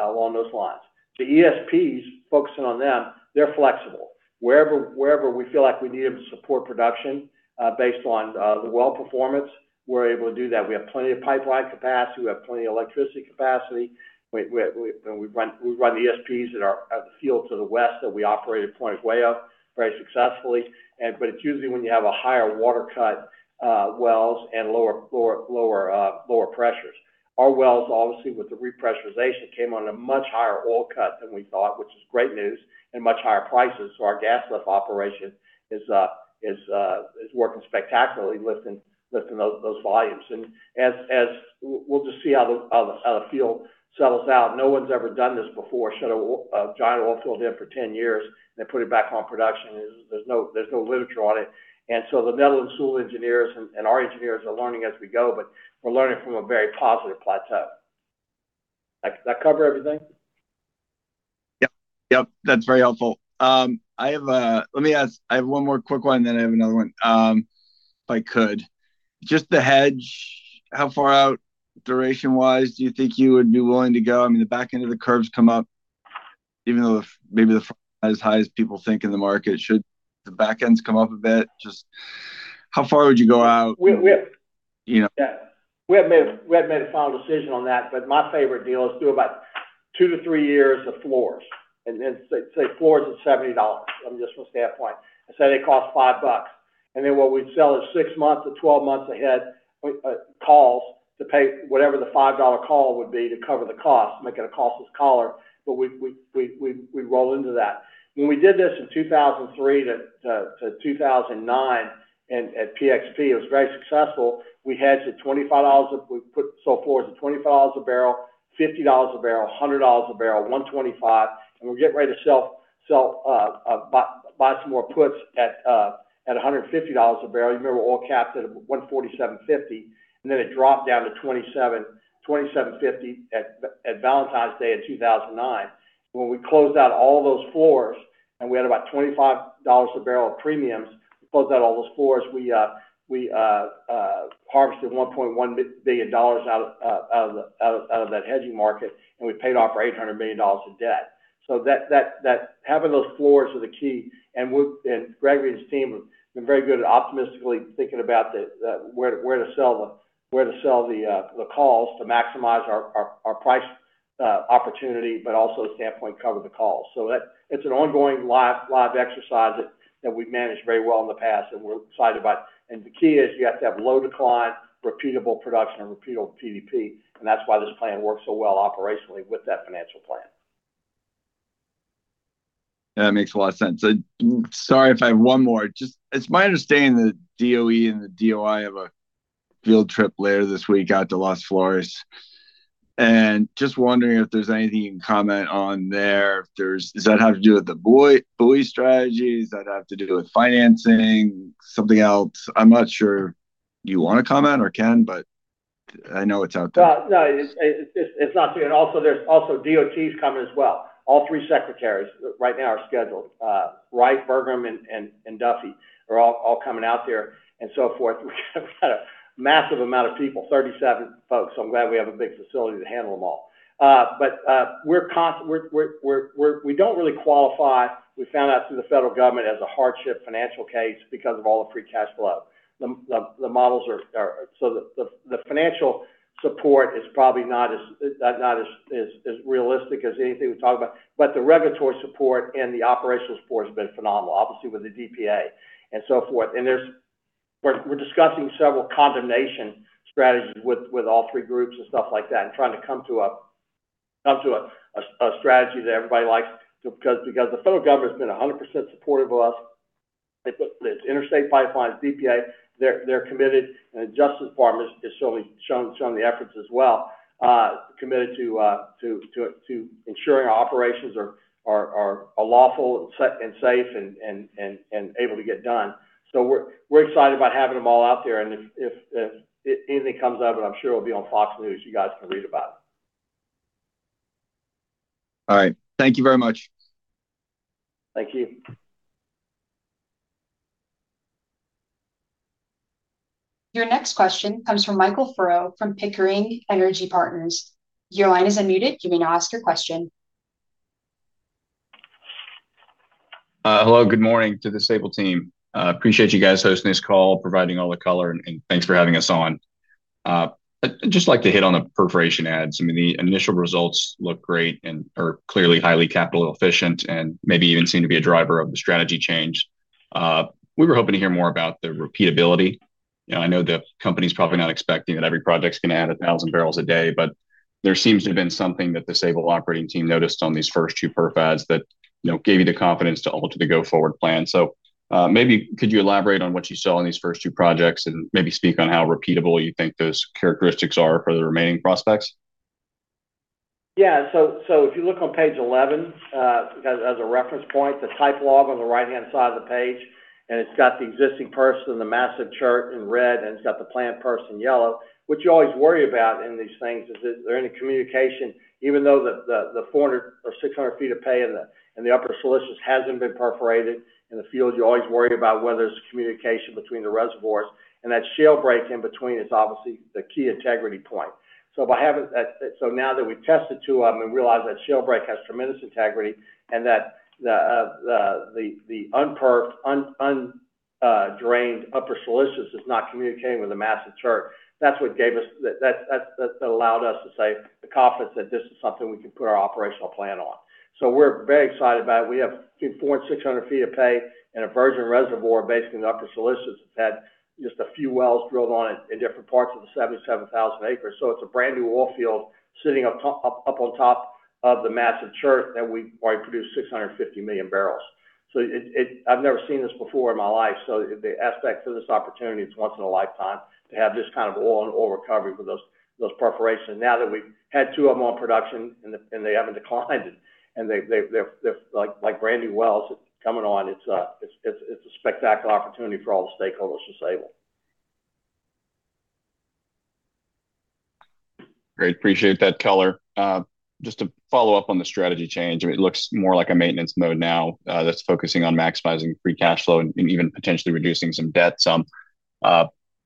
along those lines. To ESPs, focusing on them, they're flexible. Wherever we feel like we need them to support production based on the well performance, we're able to do that. We have plenty of pipeline capacity. We have plenty of electricity capacity. We run ESPs at the field to the west that we operate at Point Pedernales very successfully. It's usually when you have a higher water-cut wells and lower pressures. Our wells, obviously, with the repressurization, came on a much higher oil cut than we thought, which is great news, and much higher prices. Our gas lift operation is working spectacularly lifting those volumes. We'll just see how the field settles out. No one's ever done this before, shut a giant oil field in for 10 years then put it back on production. There's no literature on it. The Netherland, Sewell engineers and our engineers are learning as we go, we're learning from a very positive plateau. Did I cover everything? Yep. That's very helpful. Let me ask, I have one more quick one, then I have another one if I could. Just the hedge, how far out duration-wise do you think you would be willing to go? The back end of the curves come up even though maybe they're not as high as people think in the market. Should the back ends come up a bit? Just how far would you go out? We haven't made a final decision on that, but my favorite deal is do about two to three years of floors, and then say floors is $70. I mean, just from a standpoint. Let's say they cost $5. What we'd sell is six months to 12 months ahead, calls to pay whatever the $5 call would be to cover the cost, make it a costless collar, but we'd roll into that. When we did this in 2003 to 2009 at PXP, it was very successful. We hedged at $25. We sold floors at $25 a barrel, $50 a barrel, $100 a barrel, $125, and we were getting ready to buy some more puts at $150 a barrel. You remember oil caps at $147.50, and then it dropped down to $27.50 at Valentine's Day in 2009. When we closed out all those floors, and we had about $25 a barrel of premiums, we closed out all those floors. We harvested $1.1 billion out of that hedging market, and we paid off our $800 million of debt. Having those floors are the key, and Gregory and his team have been very good at optimistically thinking about where to sell the calls to maximize our price opportunity, but also the standpoint cover the calls. It's an ongoing live exercise that we've managed very well in the past and we're excited about. The key is you have to have low decline, repeatable production, and repeatable PDP, and that's why this plan works so well operationally with that financial plan. That makes a lot of sense. Sorry if I have one more. Just it's my understanding that DOE and the DOI have a field trip later this week out to Las Flores. Just wondering if there's anything you can comment on there. Does that have to do with the buoy strategies? Does that have to do with financing, something else? I'm not sure you want to comment or can, but I know it's out there. No, it's not. There's also DOTs coming as well. All three secretaries right now are scheduled. Wright, Burgum, and Duffy are all coming out there and so forth. We've got a massive amount of people, 37 folks, so I'm glad we have a big facility to handle them all. We don't really qualify, we found out through the federal government, as a hardship financial case because of all the free cash flow. The financial support is probably not as realistic as anything we talked about. The regulatory support and the operational support has been phenomenal, obviously, with the DPA and so forth. We're discussing several condemnation strategies with all three groups and stuff like that and trying to come to a strategy that everybody likes. Because the federal government's been 100% supportive of us. It's interstate pipelines, DPA, they're committed, and the Justice Department has shown the efforts as well, committed to ensuring our operations are lawful and safe and able to get done. We're excited about having them all out there. If anything comes of it, I'm sure it'll be on Fox News. You guys can read about it. All right. Thank you very much. Thank you. Your next question comes from Michael Scialla from Pickering Energy Partners. Your line is unmuted you can asked your question. Hello, good morning to the Sable team. Appreciate you guys hosting this call, providing all the color, and thanks for having us on. I'd just like to hit on the perforation adds. I mean, the initial results look great and are clearly highly capital efficient and maybe even seem to be a driver of the strategy change. We were hoping to hear more about the repeatability. I know the company's probably not expecting that every project's going to add 1,000 barrels a day. There seems to have been something that the Sable operating team noticed on these first two perf adds that gave you the confidence to alter the go-forward plan. Maybe could you elaborate on what you saw on these first two projects and maybe speak on how repeatable you think those characteristics are for the remaining prospects? If you look on page 11, as a reference point, the type log on the right-hand side of the page, and it's got the existing perf and the Massive Chert in red, and it's got the planned perf in yellow. What you always worry about in these things is there any communication, even though the 400 or 600 feet of pay in the Upper Siliceous hasn't been perforated in the field, you always worry about whether there's communication between the reservoirs. And that shale break in between is obviously the key integrity point. Now that we've tested two of them and realized that shale break has tremendous integrity and that the unperfed, undrained Upper Siliceous is not communicating with the Massive Chert, that allowed us to say with confidence that this is something we can put our operational plan on. We're very excited about it. We have 400, 600 feet of pay in a virgin reservoir, basically, in the Upper Siliceous that's had just a few wells drilled on it in different parts of the 77,000 acres. It's a brand-new oil field sitting up on top of the Massive Chert that we've already produced 650 million barrels. I've never seen this before in my life. The aspect to this opportunity, it's once in a lifetime to have this kind of oil and oil recovery for those perforations. Now that we've had two of them on production and they haven't declined, and they're like brand new wells coming on, it's a spectacular opportunity for all the stakeholders at Sable. Great. Appreciate that color. Just to follow up on the strategy change, it looks more like a maintenance mode now that's focusing on maximizing free cash flow and even potentially reducing some debt.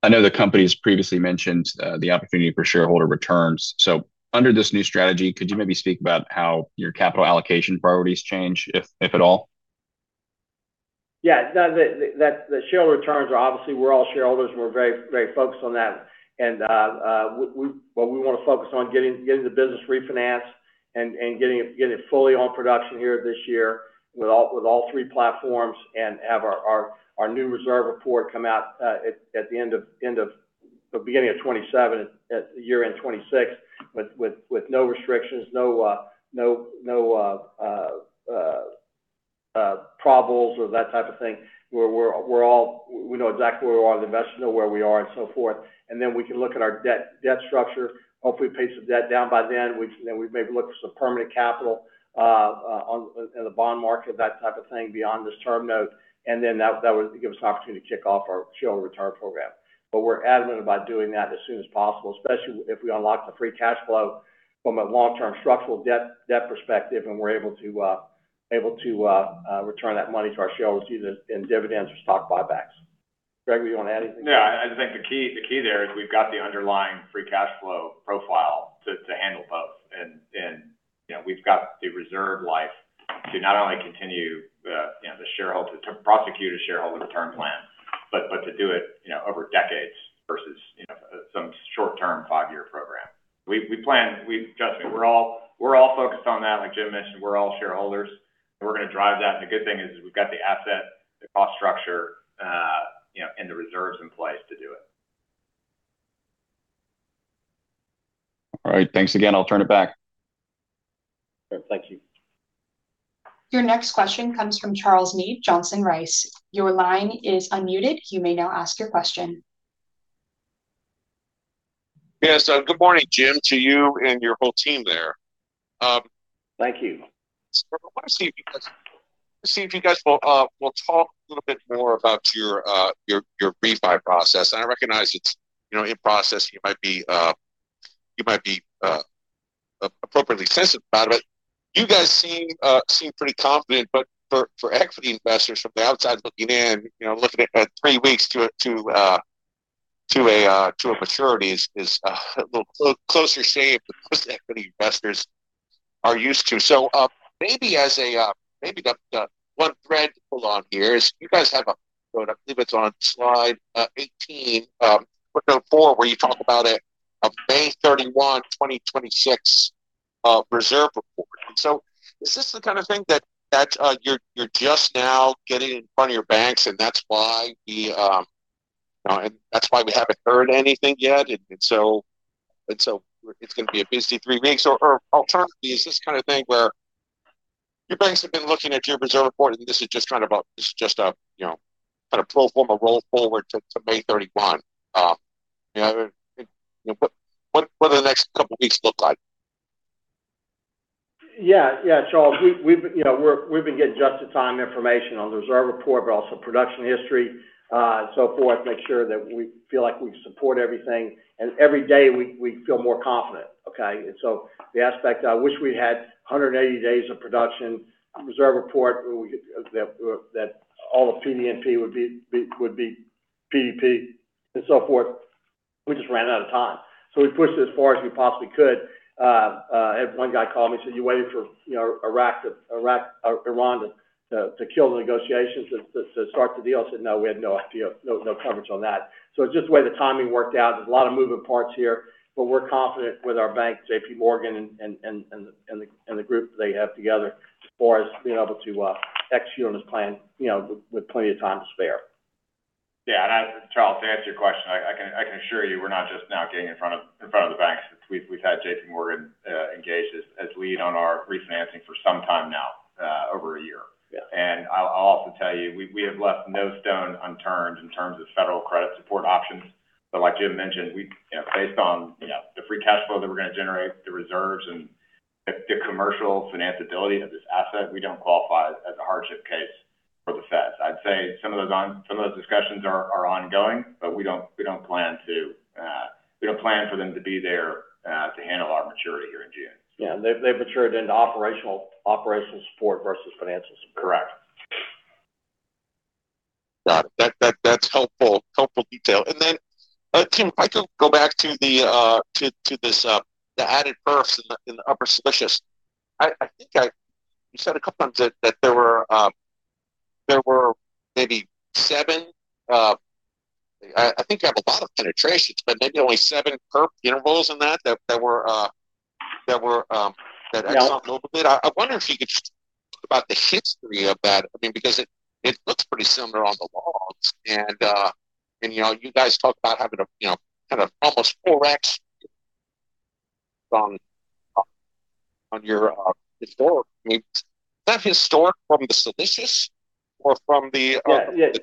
I know the company's previously mentioned the opportunity for shareholder returns. Under this new strategy, could you maybe speak about how your capital allocation priorities change, if at all? Yeah. The share returns are obviously, we're all shareholders, and we're very focused on that. What we want to focus on getting the business refinanced and getting it fully on production here this year with all three platforms and have our new reserve report come out at the beginning of 2027 at year-end 2026 with no restrictions, no problems or that type of thing, we know exactly where we are, the investors know where we are and so forth. Then we can look at our debt structure, hopefully pay some debt down by then. We maybe look for some permanent capital in the bond market, that type of thing, beyond this term note, then that would give us an opportunity to kick off our shareholder return program. We're adamant about doing that as soon as possible, especially if we unlock the free cash flow from a long-term structural debt perspective, and we're able to return that money to our shareholders either in dividends or stock buybacks. Gregory, you want to add anything? No, I think the key there is we've got the underlying free cash flow profile to handle both. We've got the reserve life to not only continue to prosecute a shareholder return plan, but to do it over decades versus some short-term five-year program. Justin, we're all focused on that. Like Jim mentioned, we're all shareholders, and we're going to drive that. The good thing is we've got the asset, the cost structure, and the reserves in place to do it. All right. Thanks again. I'll turn it back. Thank you. Your next question comes from Charles Meade, Johnson Rice. Your line is unmuted you may now asked your question. Yes. Good morning, Jim, to you and your whole team there. Thank you. I wanted to see if you guys will talk a little bit more about your refi process. I recognize it's in process, you might be appropriately sensitive about it. You guys seem pretty confident, for equity investors from the outside looking in, looking at three weeks to a maturity is a little closer shave than most equity investors are used to. Maybe one thread to pull on here is, you guys have, I believe it's on slide 18, footnote four, where you talk about a May 31, 2026 reserve report. Is this the kind of thing that you're just now getting in front of your banks, and that's why we haven't heard anything yet? It's going to be a busy three weeks. Alternatively, is this the kind of thing where your banks have been looking at your reserve report and this is just a kind of pro forma roll forward to May 31? What do the next couple of weeks look like? Yeah, Charles, we've been getting just in time information on the reserve report, but also production history, so forth, make sure that we feel like we support everything. Every day we feel more confident. Okay? The aspect, I wish we had 180 days of production reserve report that all the PDNP would be PDP and so forth. We just ran out of time. We pushed it as far as we possibly could. I had one guy call me, said, "You waited for Iran to kill the negotiations to start the deal?" I said, "No, we had no coverage on that." It's just the way the timing worked out. There's a lot of moving parts here, but we're confident with our banks, JPMorgan, and the group they have together, as far as being able to execute on this plan, with plenty of time to spare. Charles, to answer your question, I can assure you, we're not just now getting in front of the banks. We've had JPMorgan engaged as lead on our refinancing for some time now, over a year. Yeah. I'll also tell you, we have left no stone unturned in terms of federal credit support options. Like Jim mentioned, based on the free cash flow that we're going to generate, the reserves, and the commercial finance ability of this asset, we don't qualify as a hardship case for the Fed. I'd say some of those discussions are ongoing, but we don't plan for them to be there to handle our maturity here in June. Yeah. They've matured into operational support versus financial support. Correct. Got it. That's helpful detail. Then, Jim, if I could go back to this, the added perfs in the Upper Siliceous. I think you said a couple times that there were maybe seven. I think you have a lot of penetrations, but maybe only seven perf intervals in that Exxon moved a bit. I wonder if you could talk about the history of that. It looks pretty similar on the logs, and you guys talk about having almost 4x on your historic needs. Is that historic from the siliceous or from the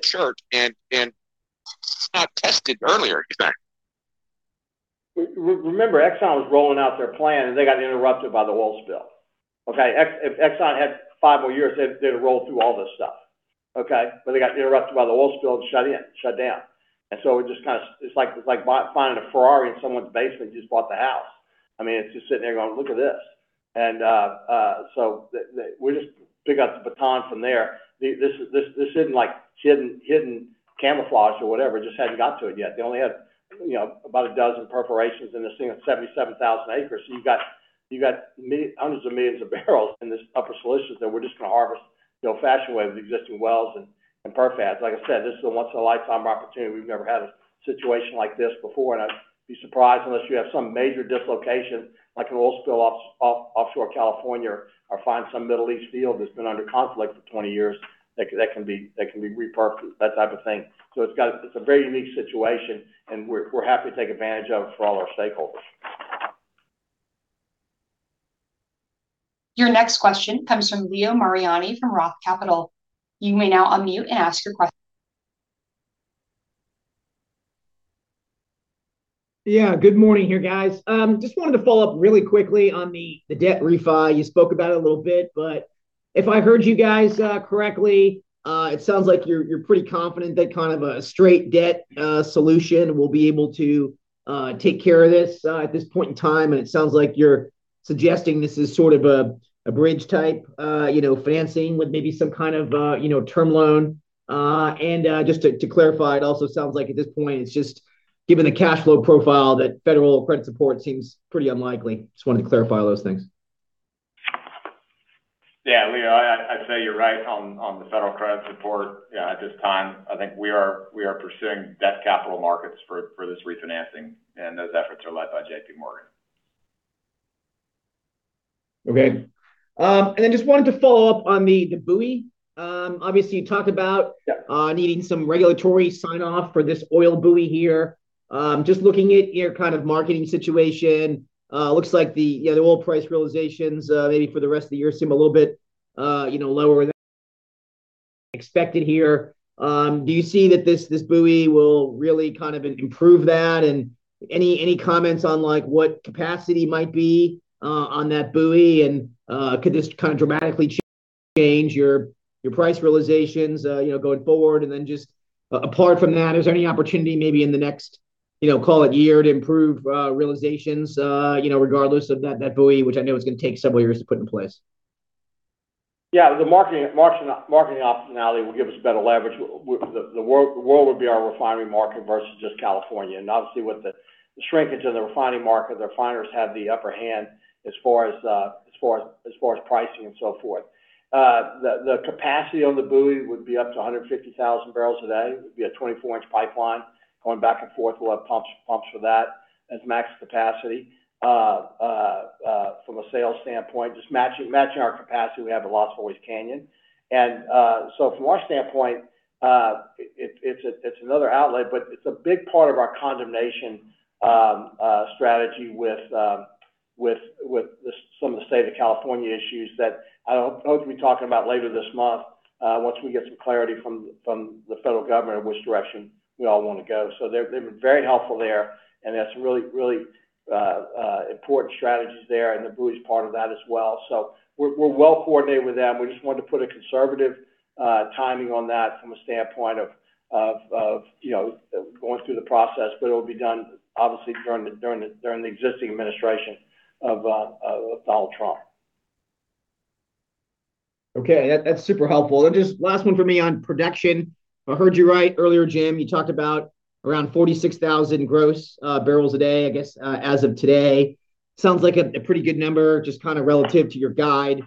Chert and it's not tested earlier, is that? Remember, Exxon was rolling out their plan, and they got interrupted by the oil spill. Okay? If Exxon had five more years, they'd have rolled through all this stuff. Okay? They got interrupted by the oil spill, just shut down. It's like finding a Ferrari in someone's basement, you just bought the house. It's just sitting there going, "Look at this." We just pick up the baton from there. This isn't hidden camouflage or whatever, just hadn't got to it yet. They only had about a dozen perforations in this thing of 77,000 acres. You've got hundreds of millions of barrels in this Upper Siliceous that we're just going to harvest the old-fashioned way with existing wells and perf adds. Like I said, this is a once in a lifetime opportunity. We've never had a situation like this before, and I'd be surprised unless you have some major dislocation, like an oil spill off offshore California, or find some Middle East field that's been under conflict for 20 years that can be reperfed, that type of thing. It's a very unique situation, and we're happy to take advantage of it for all our stakeholders. Your next question comes from Leo Mariani from Roth Capital. You may now unmute and ask your question. Yeah, good morning here, guys. Just wanted to follow up really quickly on the debt refi. You spoke about it a little bit, but if I heard you guys correctly, it sounds like you're pretty confident that a straight debt solution will be able to take care of this at this point in time, and it sounds like you're suggesting this is sort of a bridge type financing with maybe some kind of term loan. Just to clarify, it also sounds like at this point, it's just given the cash flow profile, that federal credit support seems pretty unlikely. Just wanted to clarify those things. Yeah, Leo, I'd say you're right on the federal credit support at this time. I think we are pursuing debt capital markets for this refinancing, and those efforts are led by JPMorgan. Okay. Just wanted to follow up on the buoy. Yeah Needing some regulatory sign-off for this oil buoy here. Just looking at your marketing situation, looks like the oil price realizations, maybe for the rest of the year, seem a little bit lower than expected here. Do you see that this buoy will really improve that? Any comments on what capacity might be on that buoy, and could this dramatically change your price realizations going forward? Just apart from that, is there any opportunity maybe in the next call it year to improve realizations regardless of that buoy, which I know is going to take several years to put in place? Yeah. The marketing optionality will give us better leverage. The world would be our refinery market versus just California. Obviously, with the shrinkage of the refining market, the refiners have the upper hand as far as pricing and so forth. The capacity on the buoy would be up to 150,000 barrels a day. It would be a 24-inch pipeline going back and forth. We'll have pumps for that as max capacity. From a sales standpoint, just matching our capacity we have at Las Flores Canyon. From our standpoint, it's another outlet, but it's a big part of our condemnation strategy with some of the State of California issues that I hope to be talking about later this month once we get some clarity from the federal government of which direction we all want to go. They've been very helpful there, and that's really important strategies there, and the BSEE's part of that as well. We're well-coordinated with them. We just wanted to put a conservative timing on that from a standpoint of going through the process. It'll be done, obviously, during the existing administration of Donald Trump. Okay. That's super helpful. Just last one from me on production. If I heard you right earlier, Jim, you talked about around 46,000 gross barrels a day, I guess, as of today. Sounds like a pretty good number, just relative to your guide,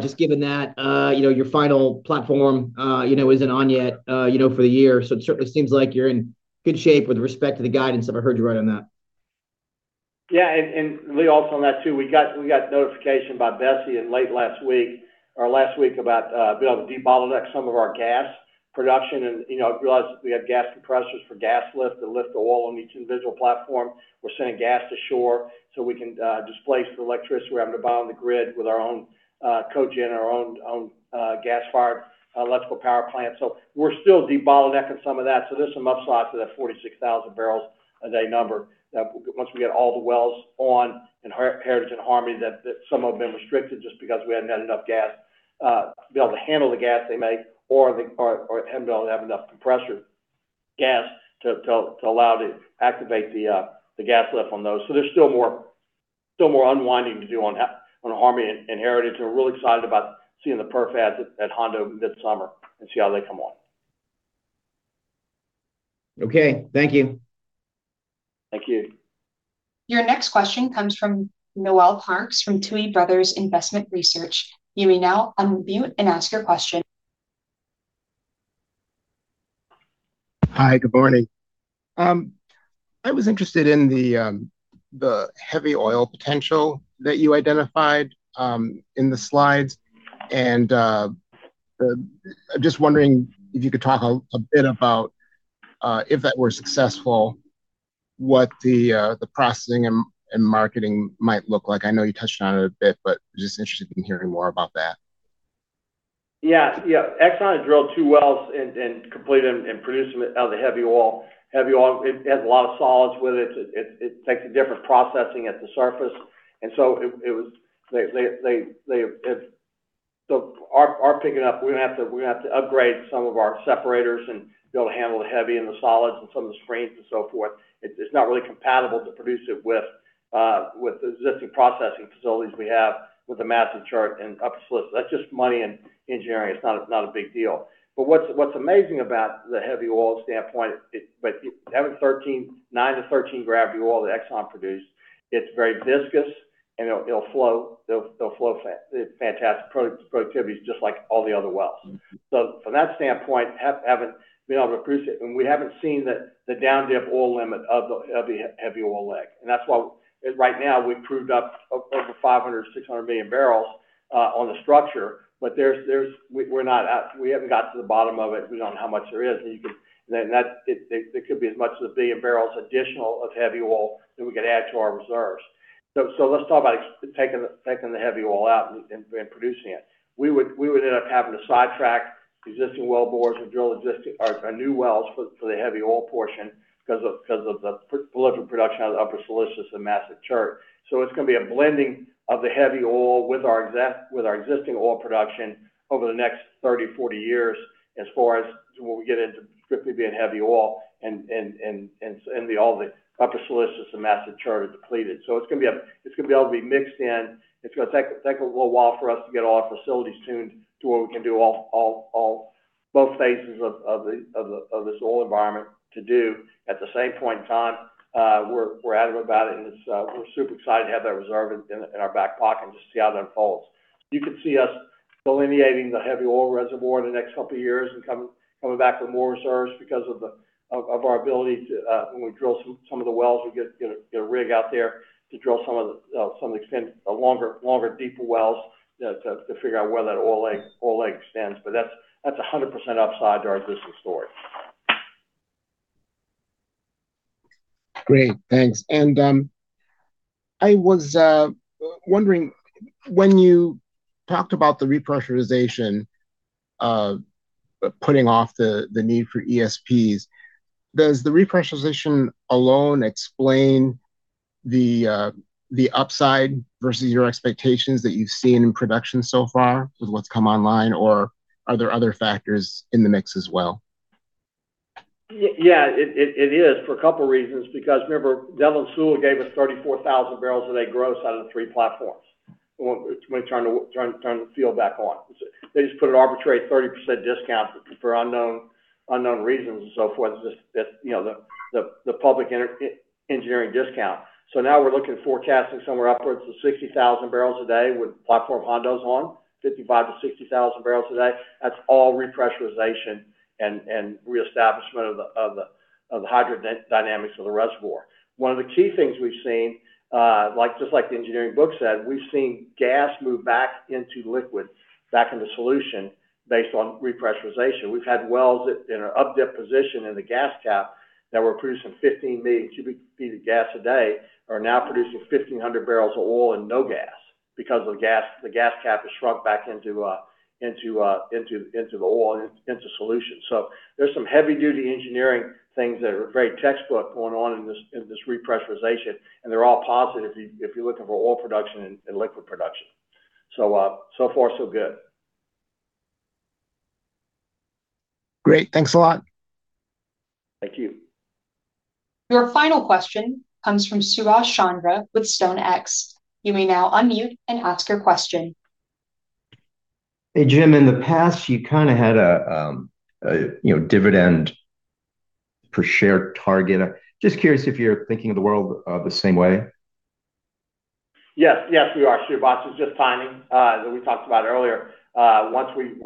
just given that your final platform isn't on yet for the year. It certainly seems like you're in good shape with respect to the guidance, if I heard you right on that. Yeah. Leo, also on that too, we got notification by BSEE in late last week or last week about being able to debottleneck some of our gas production. You realize we have gas compressors for gas lift to lift the oil on each individual platform. We're sending gas to shore so we can displace the electricity we're having to buy on the grid with our own cogen, our own gas-fired electrical power plant. We're still debottlenecking some of that. There's some upslide to that 46,000 barrels a day number. Once we get all the wells on in Heritage and Harmony that some have been restricted just because we haven't had enough gas to be able to handle the gas they make or haven't been able to have enough compressor gas to allow to activate the gas lift on those. There's still more unwinding to do on Platform Harmony and Heritage. We're really excited about seeing the perf ads at Hondo this summer and see how they come on. Okay. Thank you. Thank you. Your next question comes from Noel Parks from Tuohy Brothers Investment Research. You may now unmute and ask your question. Hi. Good morning. I was interested in the heavy oil potential that you identified in the slides. Just wondering if you could talk a bit about, if that were successful, what the processing and marketing might look like. I know you touched on it a bit, but just interested in hearing more about that. Yeah. Exxon had drilled two wells and completed and produced them out of the heavy oil. Heavy oil, it has a lot of solids with it. It takes a different processing at the surface. Our picking up, we're going to have to upgrade some of our separators and be able to handle the heavy and the solids and some of the screens and so forth. It's not really compatible to produce it with the existing processing facilities we have with the Massive Chert and Upper Siliceous. That's just money and engineering. It's not a big deal. What's amazing about the heavy oil standpoint, having nine to 13 gravity oil that Exxon produced, it's very viscous and it'll flow fantastic. Productivity is just like all the other wells. From that standpoint, haven't been able to produce it, and we haven't seen the down dip oil limit of the heavy oil leg. That's why right now we've proved up over 500, 600 million barrels on the structure. We haven't got to the bottom of it. We don't know how much there is. There could be as much as 1 billion barrels additional of heavy oil that we could add to our reserves. Let's talk about taking the heavy oil out and producing it. We would end up having to sidetrack existing well bores and drill a new wells for the heavy oil portion because of the prolific production out of the Upper Siliceous and Massive Chert. It's going to be a blending of the heavy oil with our existing oil production over the next 30, 40 years as far as to when we get into strictly being heavy oil and all the Upper Siliceous and Massive Chert are depleted. It's going to be able to be mixed in. It's going to take a little while for us to get all our facilities tuned to where we can do both phases of this oil environment to do. At the same point in time, we're adamant about it, and we're super excited to have that reserve in our back pocket and just see how that unfolds. You can see us delineating the heavy oil reservoir in the next couple of years and coming back with more reserves because of our ability to, when we drill some of the wells, we get a rig out there to drill some of the longer, deeper wells to figure out where that oil leg extends. That's 100% upside to our existing story. Great, thanks. I was wondering, when you talked about the repressurization putting off the need for ESPs, does the repressurization alone explain the upside versus your expectations that you've seen in production so far with what's come online? Are there other factors in the mix as well? Yeah, it is for a couple of reasons, because remember, Netherland, Sewell gave us 34,000 barrels a day gross out of the three platforms when trying to turn the field back on. They just put an arbitrary 30% discount for unknown reasons and so forth, just the public engineering discount. Now we're looking, forecasting somewhere upwards of 60,000 barrels a day with Platform Harmony's on, 55,000-60,000 barrels a day. That's all repressurization and reestablishment of the hydrodynamics of the reservoir. One of the key things we've seen, just like the engineering book said, we've seen gas move back into liquid, back into solution based on repressurization. We've had wells that are in an up-dip position in the gas cap that were producing 15 million cubic feet of gas a day, are now producing 1,500 barrels of oil and no gas because the gas cap is shrunk back into the oil, into solution. There's some heavy duty engineering things that are very textbook going on in this repressurization, and they're all positive if you're looking for oil production and liquid production. Far, so good. Great. Thanks a lot. Thank you. Your final question comes from Subash Chandra with StoneX. You may now unmute and ask your question. Hey, Jim. In the past, you had a dividend per share target. Just curious if you're thinking of the world the same way? Yes, we are. Subash, it's just timing, that we talked about earlier. Once we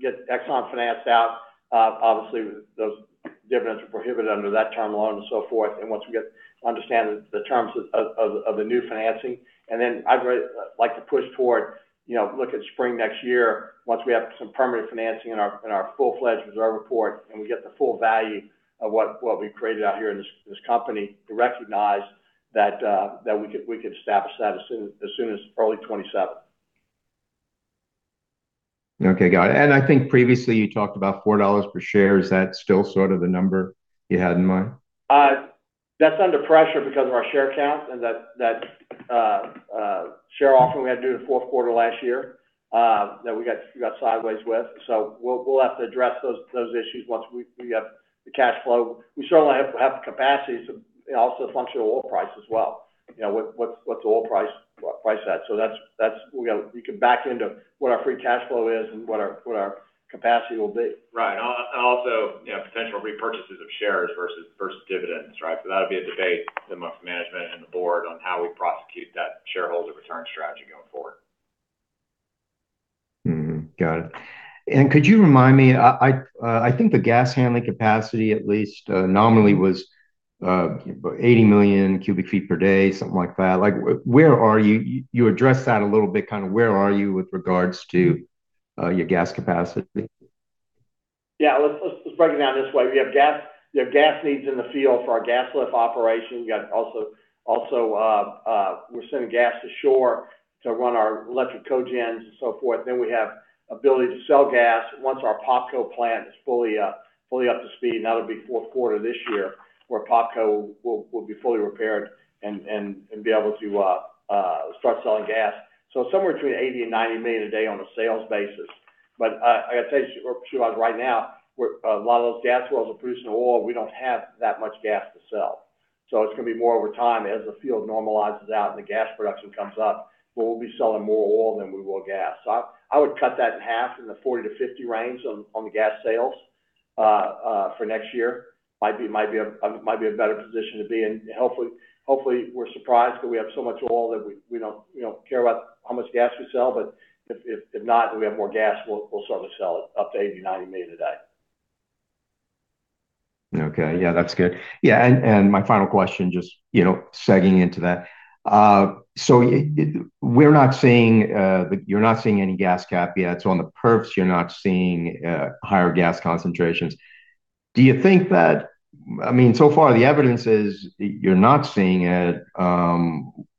get Exxon financed out, obviously those dividends are prohibited under that term loan and so forth. Once we understand the terms of the new financing. I'd like to push toward look at spring next year, once we have some permanent financing in our full-fledged reserve report, and we get the full value of what we've created out here in this company to recognize that we could establish that as soon as early 2027. Okay, got it. I think previously you talked about $4 per share. Is that still sort of the number you had in mind? That's under pressure because of our share count and that share offering we had to do in the fourth quarter last year that we got sideways with. We'll have to address those issues once we have the cash flow. We certainly have the capacity. Also a function of oil price as well. What's the oil price at? We can back into what our free cash flow is and what our capacity will be. Right. Also potential repurchases of shares versus dividends, right? That'll be a debate amongst management and the board on how we prosecute that shareholder return strategy going forward. Got it. Could you remind me, I think the gas handling capacity, at least nominally, was 80 million cubic feet per day, something like that. You addressed that a little bit, where are you with regards to your gas capacity? Yeah. Let's break it down this way. We have gas needs in the field for our gas lift operation. Also, we're sending gas to shore to run our electric cogens and so forth. We have ability to sell gas once our POPCO plant is fully up to speed. That'll be fourth quarter this year, where POPCO will be fully repaired and be able to start selling gas. Somewhere between 80 million and 90 million a day on a sales basis. I got to tell you, Subash, right now, a lot of those gas wells are producing oil. We don't have that much gas to sell. It's going to be more over time as the field normalizes out and the gas production comes up. We'll be selling more oil than we will gas. I would cut that in half in the 40-50 range on the gas sales for next year. Might be a better position to be in. Hopefully, we're surprised that we have so much oil that we don't care about how much gas we sell. If not, and we have more gas, we'll start to sell it up to 80-90 million a day. Okay. Yeah, that's good. Yeah, my final question, just segueing into that. You're not seeing any gas cap yet. On the perfs, you're not seeing higher gas concentrations. So far, the evidence is you're not seeing it.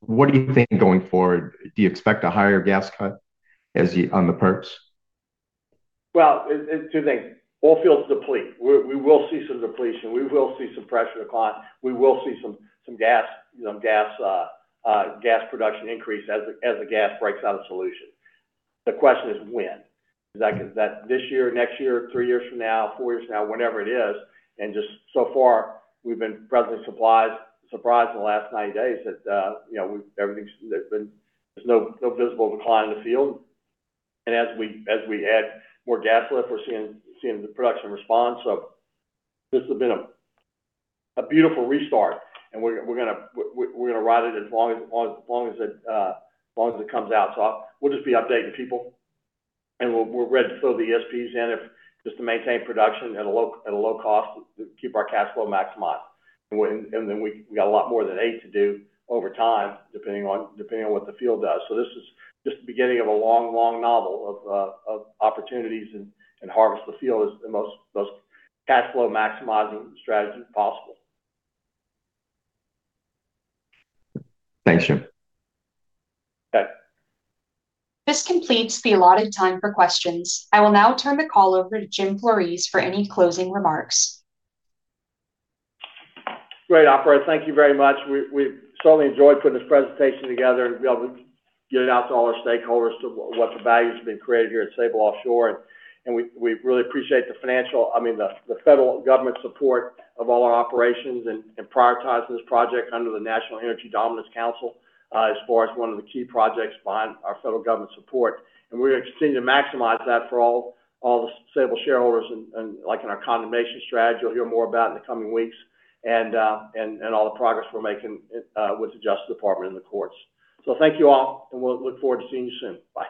What do you think going forward? Do you expect a higher gas cut on the perfs? Well, two things. Oil fields deplete. We will see some depletion. We will see some pressure decline. We will see some gas production increase as the gas breaks out of solution. The question is when. Is that this year, next year, three years from now, four years from now, whenever it is. Just so far, we've been pleasantly surprised in the last 90 days that there's no visible decline in the field. As we add more gas lift, we're seeing the production response. This has been a beautiful restart, and we're going to ride it as long as it comes out. We'll just be updating people, and we're ready to throw the ESPs in just to maintain production at a low cost to keep our cash flow maximized. We got a lot more than eight to do over time, depending on what the field does. This is just the beginning of a long, long novel of opportunities and harvest the field as the most cash flow maximizing strategy possible. Thanks, Jim. Okay. This completes the allotted time for questions. I will now turn the call over to Jim Flores for any closing remarks. Great, Operator. Thank you very much. We've certainly enjoyed putting this presentation together and be able to get it out to all our stakeholders to what the value's been created here at Sable Offshore. We really appreciate the federal government support of all our operations and prioritizing this project under the National Energy Dominance Council as far as one of the key projects behind our federal government support. We're going to continue to maximize that for all the Sable shareholders and like in our condemnation strategy you'll hear more about in the coming weeks and all the progress we're making with the Justice Department and the courts. Thank you all, and we'll look forward to seeing you soon. Bye